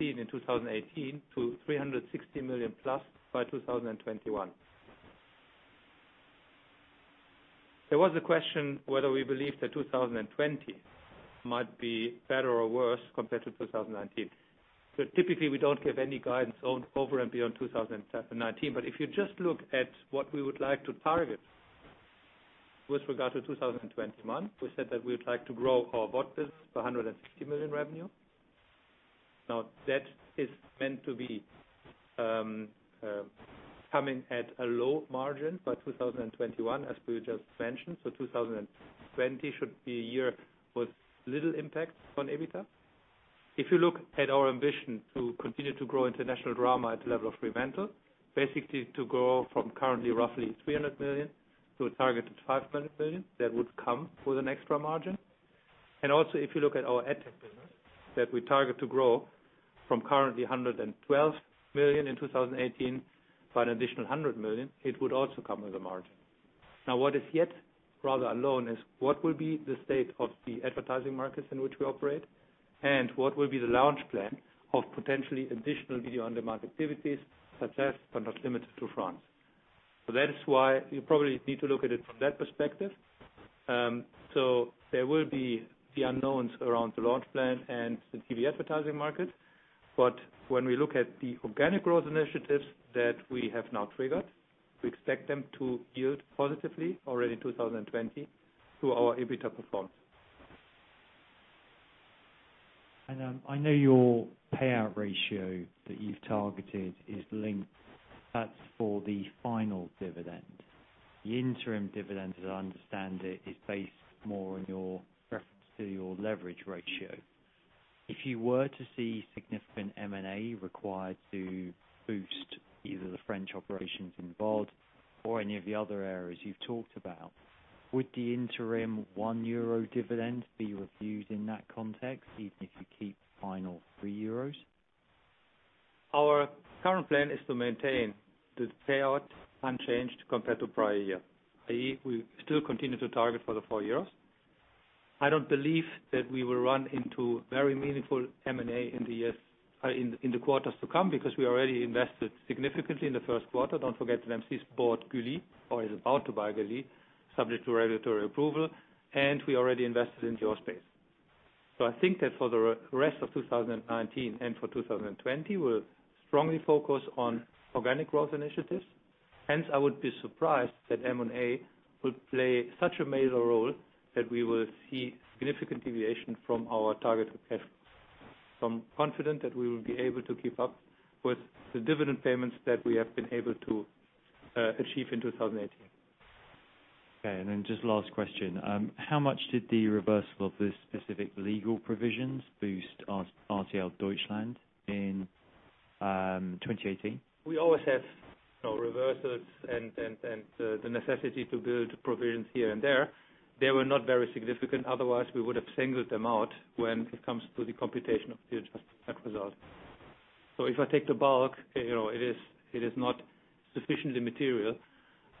in 2018 to 360 million plus by 2021. There was a question whether we believe that 2020 might be better or worse compared to 2019. Typically, we don't give any guidance over and beyond 2019. If you just look at what we would like to target with regard to 2021, we said that we would like to grow our VOD business by 150 million revenue. That is meant to be coming at a low margin by 2021, as we just mentioned. 2020 should be a year with little impact on EBITDA. If you look at our ambition to continue to grow international drama at the level of Fremantle, basically to grow from currently roughly 300 million to a targeted 500 million, that would come with an extra margin. If you look at our ad tech business that we target to grow from currently 112 million in 2018 by an additional 100 million, it would also come with a margin. What is yet rather unknown is what will be the state of the advertising markets in which we operate and what will be the launch plan of potentially additional video-on-demand activities, such as, but not limited to, France. That is why you probably need to look at it from that perspective. There will be the unknowns around the launch plan and the TV advertising market. When we look at the organic growth initiatives that we have now triggered, we expect them to yield positively already in 2020 to our EBITDA performance. I know your payout ratio that you've targeted is linked. That's for the final dividend. The interim dividend, as I understand it, is based more on your reference to your leverage ratio. If you were to see significant M&A required to boost either the French operations in VOD or any of the other areas you've talked about, would the interim 1 euro dividend be reviewed in that context, even if you keep the final 3 euros? Our current plan is to maintain the payout unchanged compared to prior year, i.e., we still continue to target for the 4 euros. I don't believe that we will run into very meaningful M&A in the quarters to come, because we already invested significantly in the first quarter. Don't forget that Groupe M6 bought Gulli, or is about to buy Gulli, subject to regulatory approval, and we already invested in Yospace. I think that for the rest of 2019 and for 2020, we'll strongly focus on organic growth initiatives. Hence, I would be surprised that M&A will play such a major role that we will see significant deviation from our target for cash flow. I'm confident that we will be able to keep up with the dividend payments that we have been able to achieve in 2018. Okay, then just last question. How much did the reversal of the specific legal provisions boost RTL Deutschland in 2018? We always have reversals and the necessity to build provisions here and there. They were not very significant, otherwise we would have singled them out when it comes to the computation of the adjusted net result. If I take the bulk, it is not sufficiently material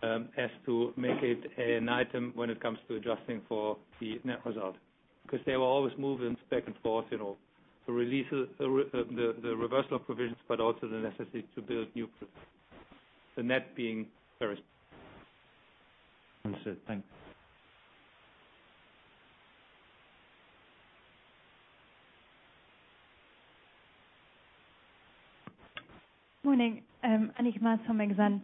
as to make it an item when it comes to adjusting for the net result. They were always moving back and forth, the reversal of provisions, also the necessity to build new provisions. The net being very small. Understood. Thank you. Morning. Annick Maas from Exane.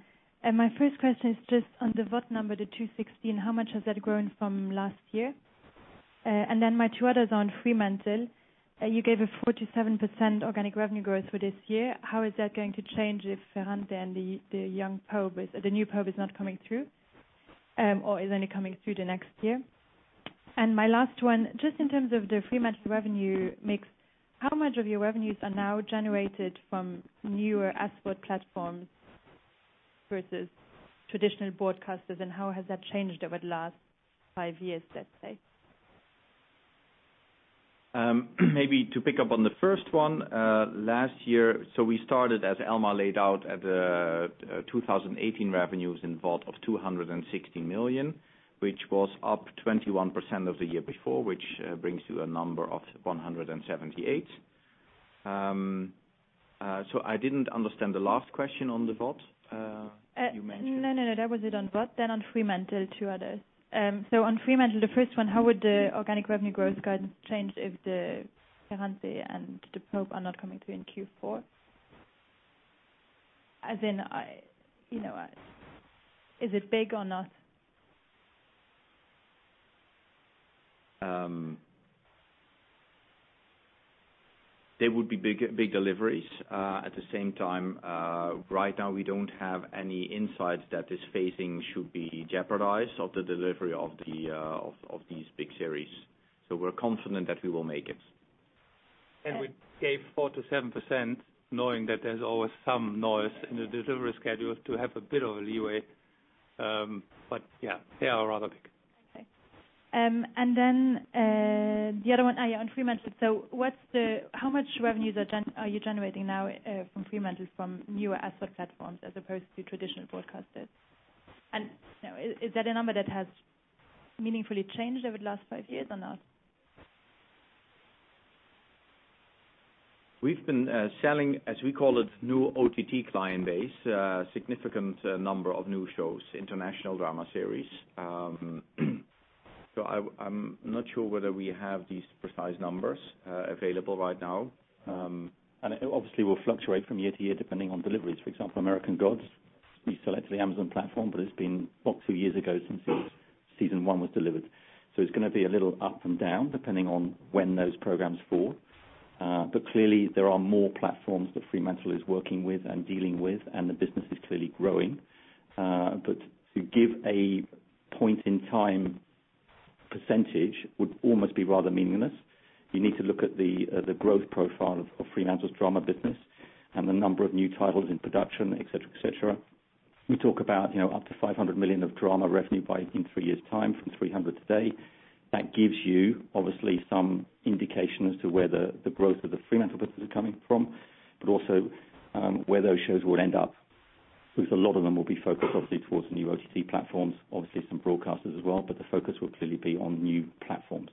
My first question is just on the VOD number, the 260, how much has that grown from last year? My two others are on Fremantle. You gave a 47% organic revenue growth for this year. How is that going to change if Ferrante and The New Pope is not coming through, or is only coming through the next year? My last one, just in terms of the Fremantle revenue mix, how much of your revenues are now generated from newer SVOD platforms versus traditional broadcasters, and how has that changed over the last five years, let's say? Maybe to pick up on the first one. Last year, we started, as Elmar laid out, at the 2018 revenues in VOD of 260 million, which was up 21% of the year before, which brings you a number of 178. I didn't understand the last question on the VOD you mentioned. No, that was it on VOD. On Fremantle, two others. On Fremantle, the first one, how would the organic revenue growth guidance change if the Ferrante and the Pope are not coming through in Q4? As in, is it big or not? They would be big deliveries. At the same time, right now we don't have any insights that this phasing should be jeopardized of the delivery of these big series. We're confident that we will make it. We gave 47% knowing that there's always some noise in the delivery schedules to have a bit of a leeway. Yeah, they are rather big. Okay. The other one on Fremantle. How much revenues are you generating now from Fremantle from newer SVOD platforms as opposed to traditional broadcasters? Is that a number that has meaningfully changed over the last five years or not? We've been selling, as we call it, new OTT client base, a significant number of new shows, international drama series. I'm not sure whether we have these precise numbers available right now. Obviously, will fluctuate from year to year depending on deliveries. For example, "American Gods" we sold to the Amazon platform, but it's been about two years ago since season one was delivered. It's going to be a little up and down depending on when those programs fall. Clearly, there are more platforms that Fremantle is working with and dealing with, and the business is clearly growing. To give a point in time percentage would almost be rather meaningless. You need to look at the growth profile of Fremantle's drama business and the number of new titles in production, et cetera. We talk about up to 500 million of drama revenue by in three years' time from 300 today. That gives you, obviously, some indication as to where the growth of the Fremantle business is coming from, but also where those shows will end up, because a lot of them will be focused obviously towards the new OTT platforms, obviously some broadcasters as well, but the focus will clearly be on new platforms.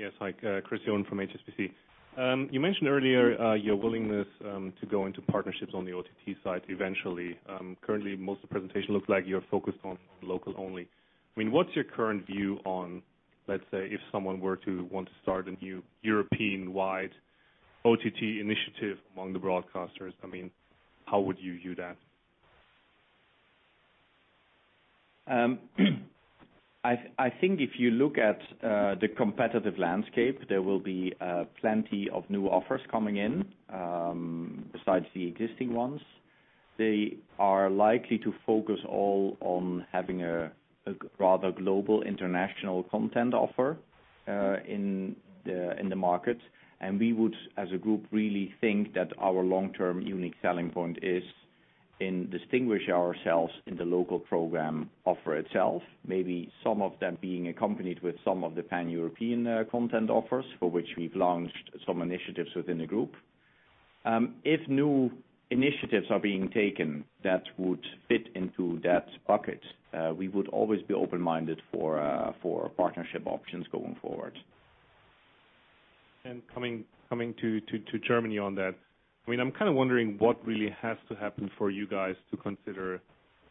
Yes. Hi, Chris John from HSBC. You mentioned earlier your willingness to go into partnerships on the OTT side eventually. Currently, most of the presentation looks like you're focused on local only. What's your current view on, let's say, if someone were to want to start a new European-wide OTT initiative among the broadcasters? How would you view that? I think if you look at the competitive landscape, there will be plenty of new offers coming in, besides the existing ones. They are likely to focus all on having a rather global international content offer in the market. We would, as a group, really think that our long-term unique selling point is in distinguishing ourselves in the local program offer itself. Maybe some of them being accompanied with some of the pan-European content offers, for which we've launched some initiatives within the group. If new initiatives are being taken that would fit into that bucket, we would always be open-minded for partnership options going forward. Coming to Germany on that. I'm wondering what really has to happen for you guys to consider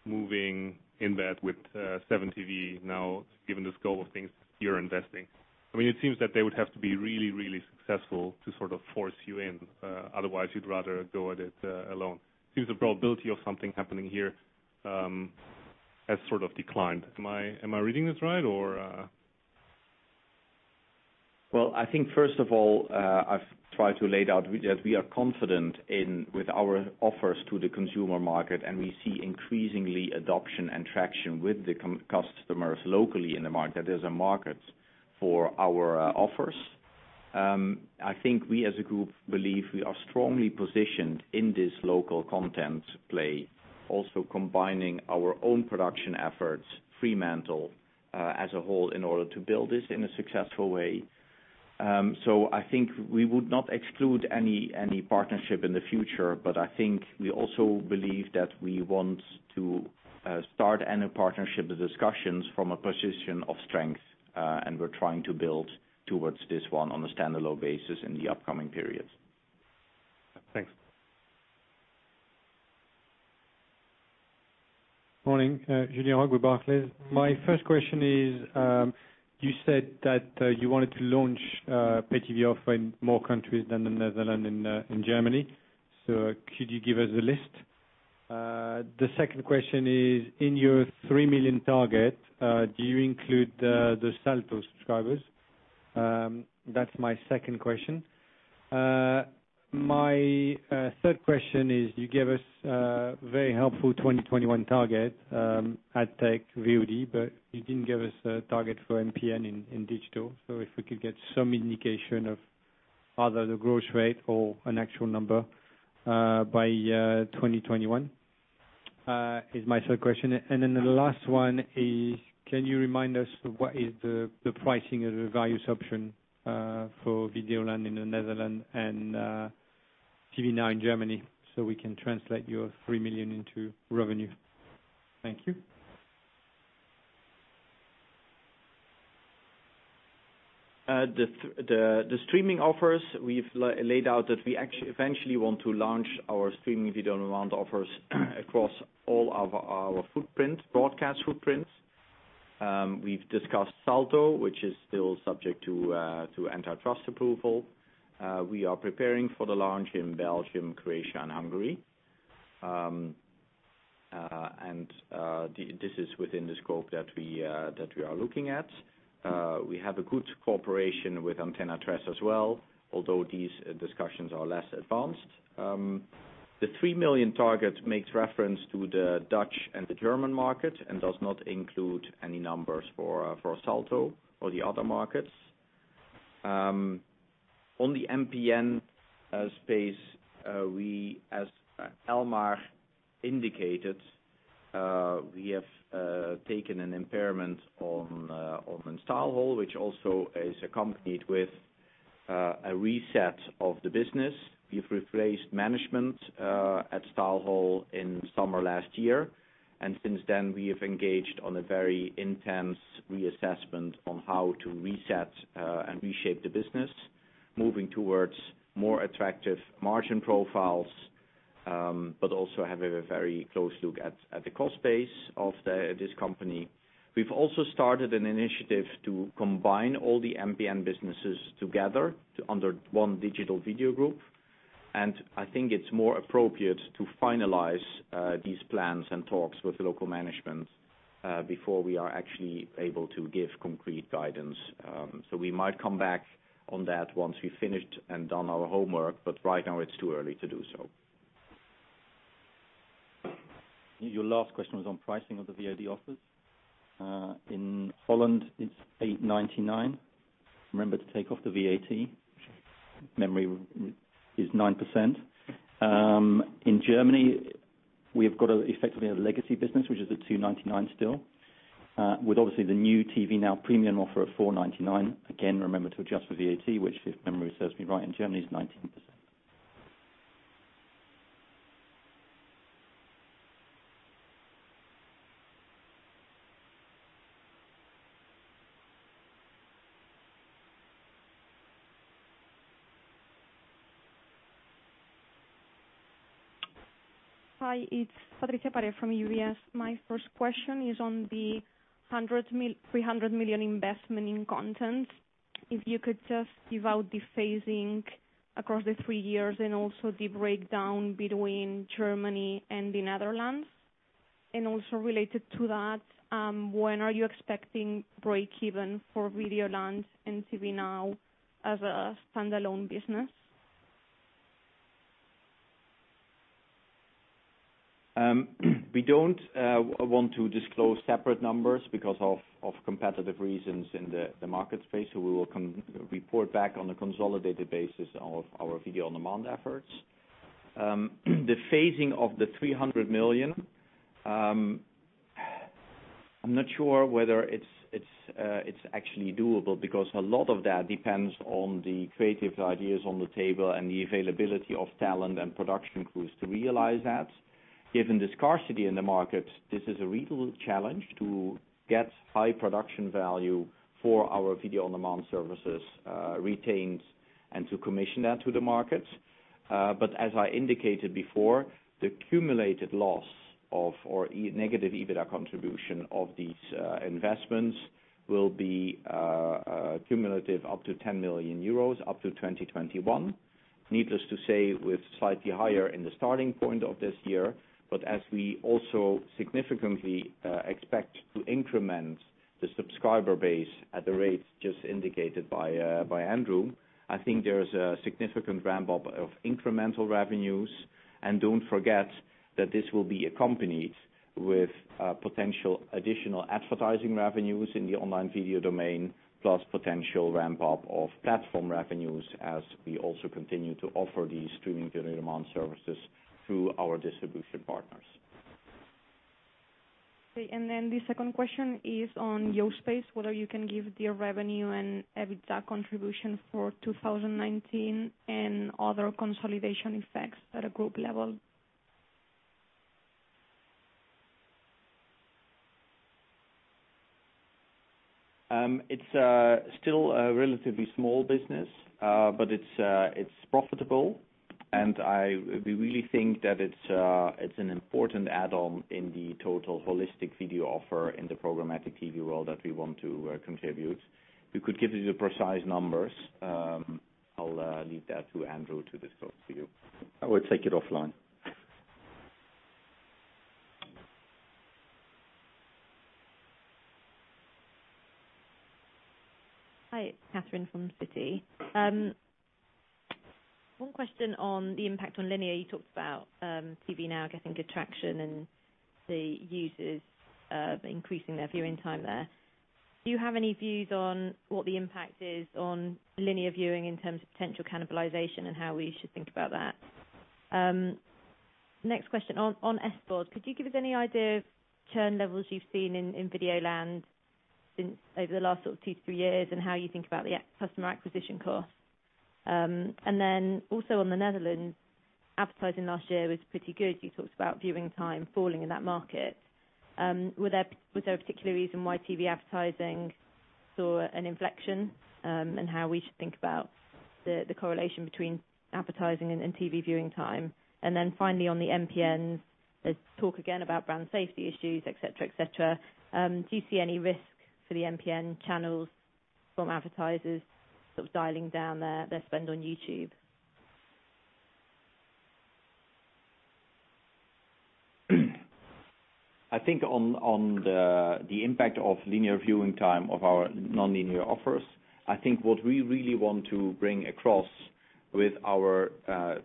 moving in that with 7TV now, given the scope of things you're investing. It seems that they would have to be really successful to force you in. Otherwise, you'd rather go at it alone. Seems the probability of something happening here has declined. Am I reading this right? Well, I think first of all, I've tried to lay out that we are confident in with our offers to the consumer market, and we see increasingly adoption and traction with the customers locally in the market. There's a market for our offers. I think we, as a group, believe we are strongly positioned in this local content play, also combining our own production efforts, Fremantle as a whole, in order to build this in a successful way. I think we would not exclude any partnership in the future, but I think we also believe that we want to start any partnership discussions from a position of strength, and we're trying to build towards this one on a standalone basis in the upcoming periods. Thanks. Julien Aguebec, Barclays. My first question is, you said that you wanted to launch a pay TV offer in more countries than the Netherlands and Germany. Could you give us a list? The second question is, in your 3 million target, do you include the Salto subscribers? That's my second question. My third question is, you gave us a very helpful 2021 target, ad tech VOD, but you didn't give us a target for MPN in digital. If we could get some indication of either the growth rate or an actual number by 2021, is my third question. The last one is, can you remind us what is the pricing of the various option for Videoland in the Netherlands and TV Now in Germany so we can translate your 3 million into revenue? Thank you. The streaming offers, we've laid out that we eventually want to launch our streaming video-on-demand offers across all of our broadcast footprints. We've discussed Salto, which is still subject to antitrust approval. We are preparing for the launch in Belgium, Croatia, and Hungary. This is within the scope that we are looking at. We have a good cooperation with Antena 3 as well, although these discussions are less advanced. The 3 million target makes reference to the Dutch and the German market and does not include any numbers for Salto or the other markets. On the MPN space, we, as Elmar indicated, we have taken an impairment on StyleHaul, which also is accompanied with a reset of the business. We've replaced management at StyleHaul in summer last year. Since then, we have engaged on a very intense reassessment on how to reset and reshape the business, moving towards more attractive margin profiles, but also having a very close look at the cost base of this company. We've also started an initiative to combine all the MPN businesses together under one digital video group. I think it's more appropriate to finalize these plans and talks with the local management, before we are actually able to give concrete guidance. We might come back on that once we've finished and done our homework, but right now it's too early to do so. Your last question was on pricing of the VOD offers. In Holland, it's 8.99. Remember to take off the VAT. Memory is 9%. In Germany, we've got effectively a legacy business, which is at 2.99 still. With obviously the new TV Now premium offer of 4.99. Again, remember to adjust for VAT, which if memory serves me right, in Germany is 19%. Hi, it's Patricia Pare from UBS. My first question is on the 300 million investment in content. If you could just give out the phasing across the 3 years and also the breakdown between Germany and the Netherlands. Also related to that, when are you expecting break-even for Videoland and TV Now as a standalone business? We don't want to disclose separate numbers because of competitive reasons in the market space. We will report back on a consolidated basis of our video-on-demand efforts. The phasing of the 300 million, I'm not sure whether it's actually doable because a lot of that depends on the creative ideas on the table and the availability of talent and production crews to realize that. Given the scarcity in the market, this is a real challenge to get high production value for our video-on-demand services retained, and to commission that to the market. As I indicated before, the cumulative loss or negative EBITDA contribution of these investments will be cumulative up to 10 million euros up to 2021. Needless to say, we're slightly higher in the starting point of this year, as we also significantly expect to increment the subscriber base at the rates just indicated by Andrew, I think there's a significant ramp-up of incremental revenues. Don't forget that this will be accompanied with potential additional advertising revenues in the online video domain, plus potential ramp-up of platform revenues as we also continue to offer these streaming video-on-demand services through our distribution partners. Okay. Then the second question is on Yospace, whether you can give the revenue and EBITDA contribution for 2019 and other consolidation effects at a group level. It's still a relatively small business, but it's profitable, and we really think that it's an important add-on in the total holistic video offer in the programmatic TV role that we want to contribute. We could give you the precise numbers. I'll leave that to Andrew to discuss with you. I will take it offline. Hi, it's Catherine from Citi. One question on the impact on linear. You talked about TV Now getting good traction and the users increasing their viewing time there. Do you have any views on what the impact is on linear viewing in terms of potential cannibalization, and how we should think about that? Next question, on SVOD, could you give us any idea of churn levels you've seen in Videoland over the last two to three years, and how you think about the customer acquisition cost? Also on the Netherlands, advertising last year was pretty good. You talked about viewing time falling in that market. Was there a particular reason why TV advertising saw an inflection, and how we should think about the correlation between advertising and TV viewing time? Finally on the MPNs, there's talk again about brand safety issues, et cetera. Do you see any risk for the MPN channels from advertisers sort of dialing down their spend on YouTube? On the impact of linear viewing time of our non-linear offers, what we really want to bring across with our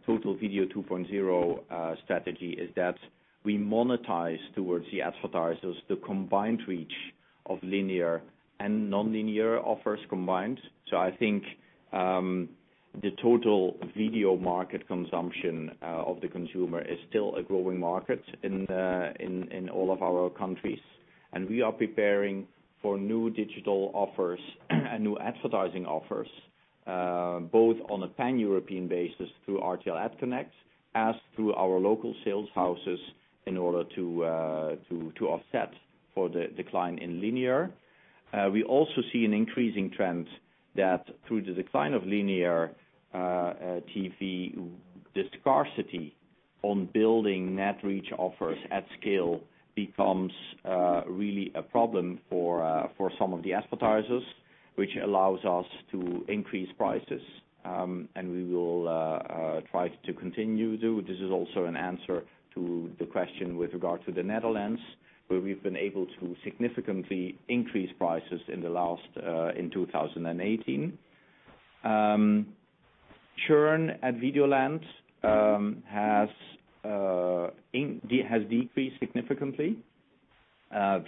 Total Video 2.0 strategy is that we monetize towards the advertisers the combined reach of linear and non-linear offers combined. The total video market consumption of the consumer is still a growing market in all of our countries. We are preparing for new digital offers and new advertising offers both on a pan-European basis through RTL AdConnect as through our local sales houses in order to offset for the decline in linear. We also see an increasing trend that through the decline of linear TV, the scarcity on building net reach offers at scale becomes really a problem for some of the advertisers, which allows us to increase prices. We will try to continue to. This is also an answer to the question with regard to the Netherlands, where we've been able to significantly increase prices in 2018. Churn at Videoland has decreased significantly.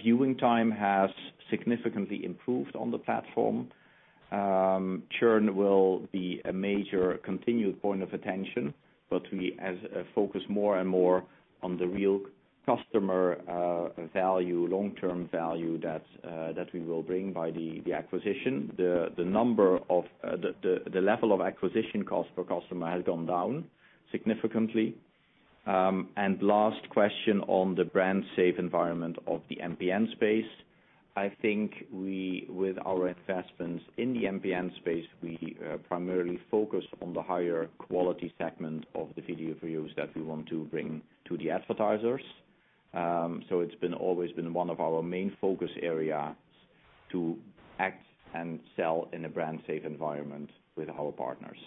Viewing time has significantly improved on the platform. Churn will be a major continued point of attention, but we focus more and more on the real customer value, long-term value that we will bring by the acquisition. The level of acquisition cost per customer has gone down significantly. Last question on the brand safe environment of the MPN space. With our investments in the MPN space, we primarily focus on the higher quality segment of the video views that we want to bring to the advertisers. It's always been one of our main focus areas to act and sell in a brand safe environment with our partners.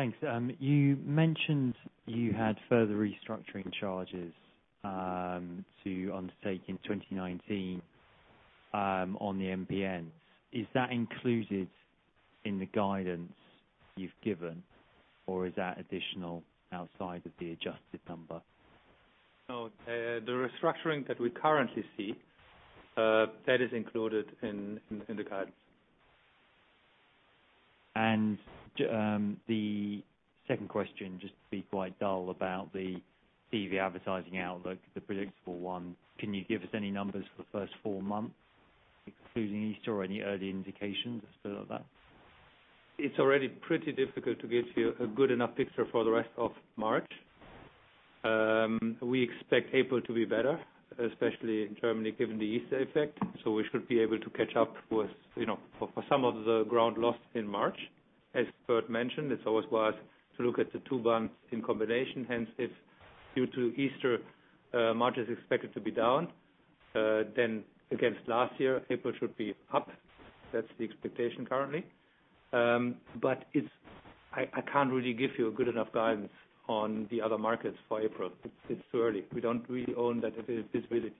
Thanks. You mentioned you had further restructuring charges to undertake in 2019 on the MPN. Is that included in the guidance you've given, or is that additional outside of the adjusted number? The restructuring that we currently see, that is included in the guidance. The second question, just to be quite dull about the TV advertising outlook, the predictable one, can you give us any numbers for the first four months, including Easter or any early indications as to that? It is already pretty difficult to give you a good enough picture for the rest of March. We expect April to be better, especially in Germany, given the Easter effect. We should be able to catch up with some of the ground lost in March. As Bert mentioned, it is always wise to look at the two months in combination. If due to Easter, March is expected to be down, against last year, April should be up. That is the expectation currently. I cannot really give you a good enough guidance on the other markets for April. It is too early. We do not really own that visibility.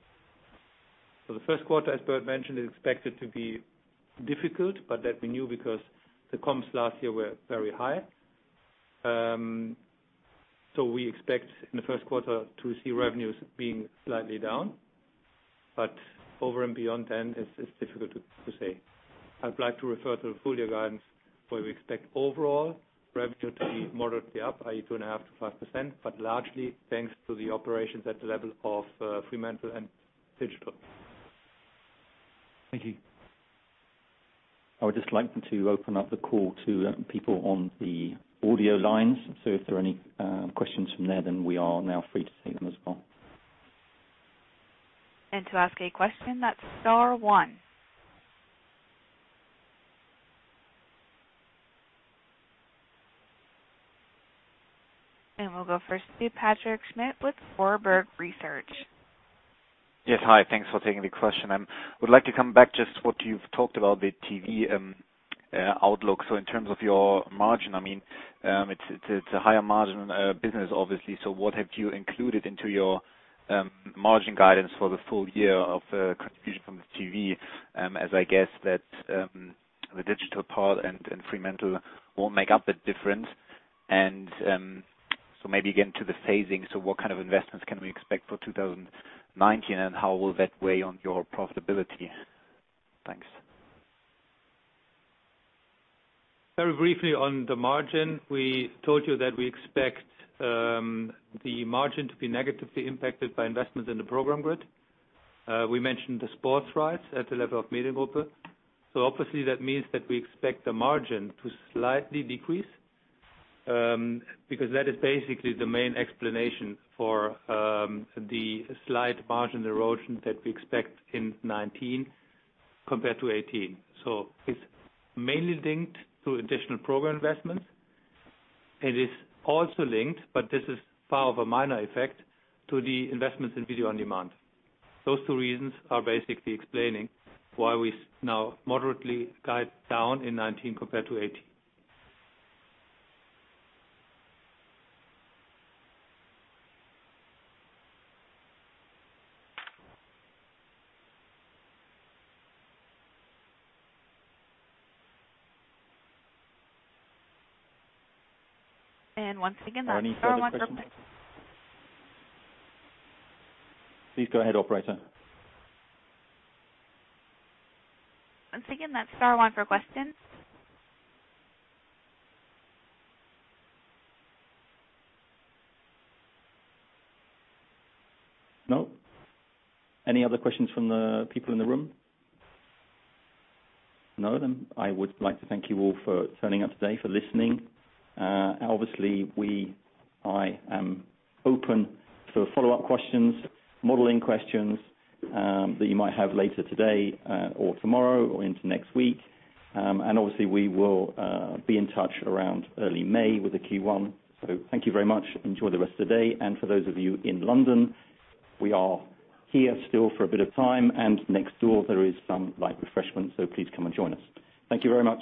The first quarter, as Bert mentioned, is expected to be difficult, but that we knew because the comps last year were very high. We expect in the first quarter to see revenues being slightly down. Over and beyond then, it is difficult to say. I would like to refer to the full year guidance, where we expect overall revenue to be moderately up, i.e., 2.5%-5%, largely thanks to the operations at the level of Fremantle and Digital. Thank you. I would just like to open up the call to people on the audio lines. If there are any questions from there, we are now free to take them as well. To ask a question, that is star one. We will go first to Patrick Schmidt with Warburg Research. Yes, hi. Thanks for taking the question. Would like to come back just what you have talked about, the TV outlook. In terms of your margin, it is a higher margin business, obviously. What have you included into your margin guidance for the full year of contribution from the TV? As I guess that the digital part and Fremantle will not make up the difference. Maybe get into the phasing. What kind of investments can we expect for 2019, and how will that weigh on your profitability? Thanks. Very briefly on the margin, we told you that we expect the margin to be negatively impacted by investments in the program grid. We mentioned the sports rights at the level of Mediengruppe. Obviously, that means that we expect the margin to slightly decrease, because that is basically the main explanation for the slight margin erosion that we expect in 2019 compared to 2018. It is mainly linked to additional program investments. It is also linked, but this is far of a minor effect, to the investments in video on demand. Those two reasons are basically explaining why we now moderately guide down in 2019 compared to 2018. Once again, that's star one. Are there any further questions? Please go ahead, operator. Once again, that's star one for questions. No? Any other questions from the people in the room? No, I would like to thank you all for turning up today, for listening. Obviously, I am open for follow-up questions, modeling questions, that you might have later today or tomorrow or into next week. Obviously, we will be in touch around early May with the Q1. Thank you very much. Enjoy the rest of the day. For those of you in London, we are here still for a bit of time, and next door there is some light refreshment, so please come and join us. Thank you very much.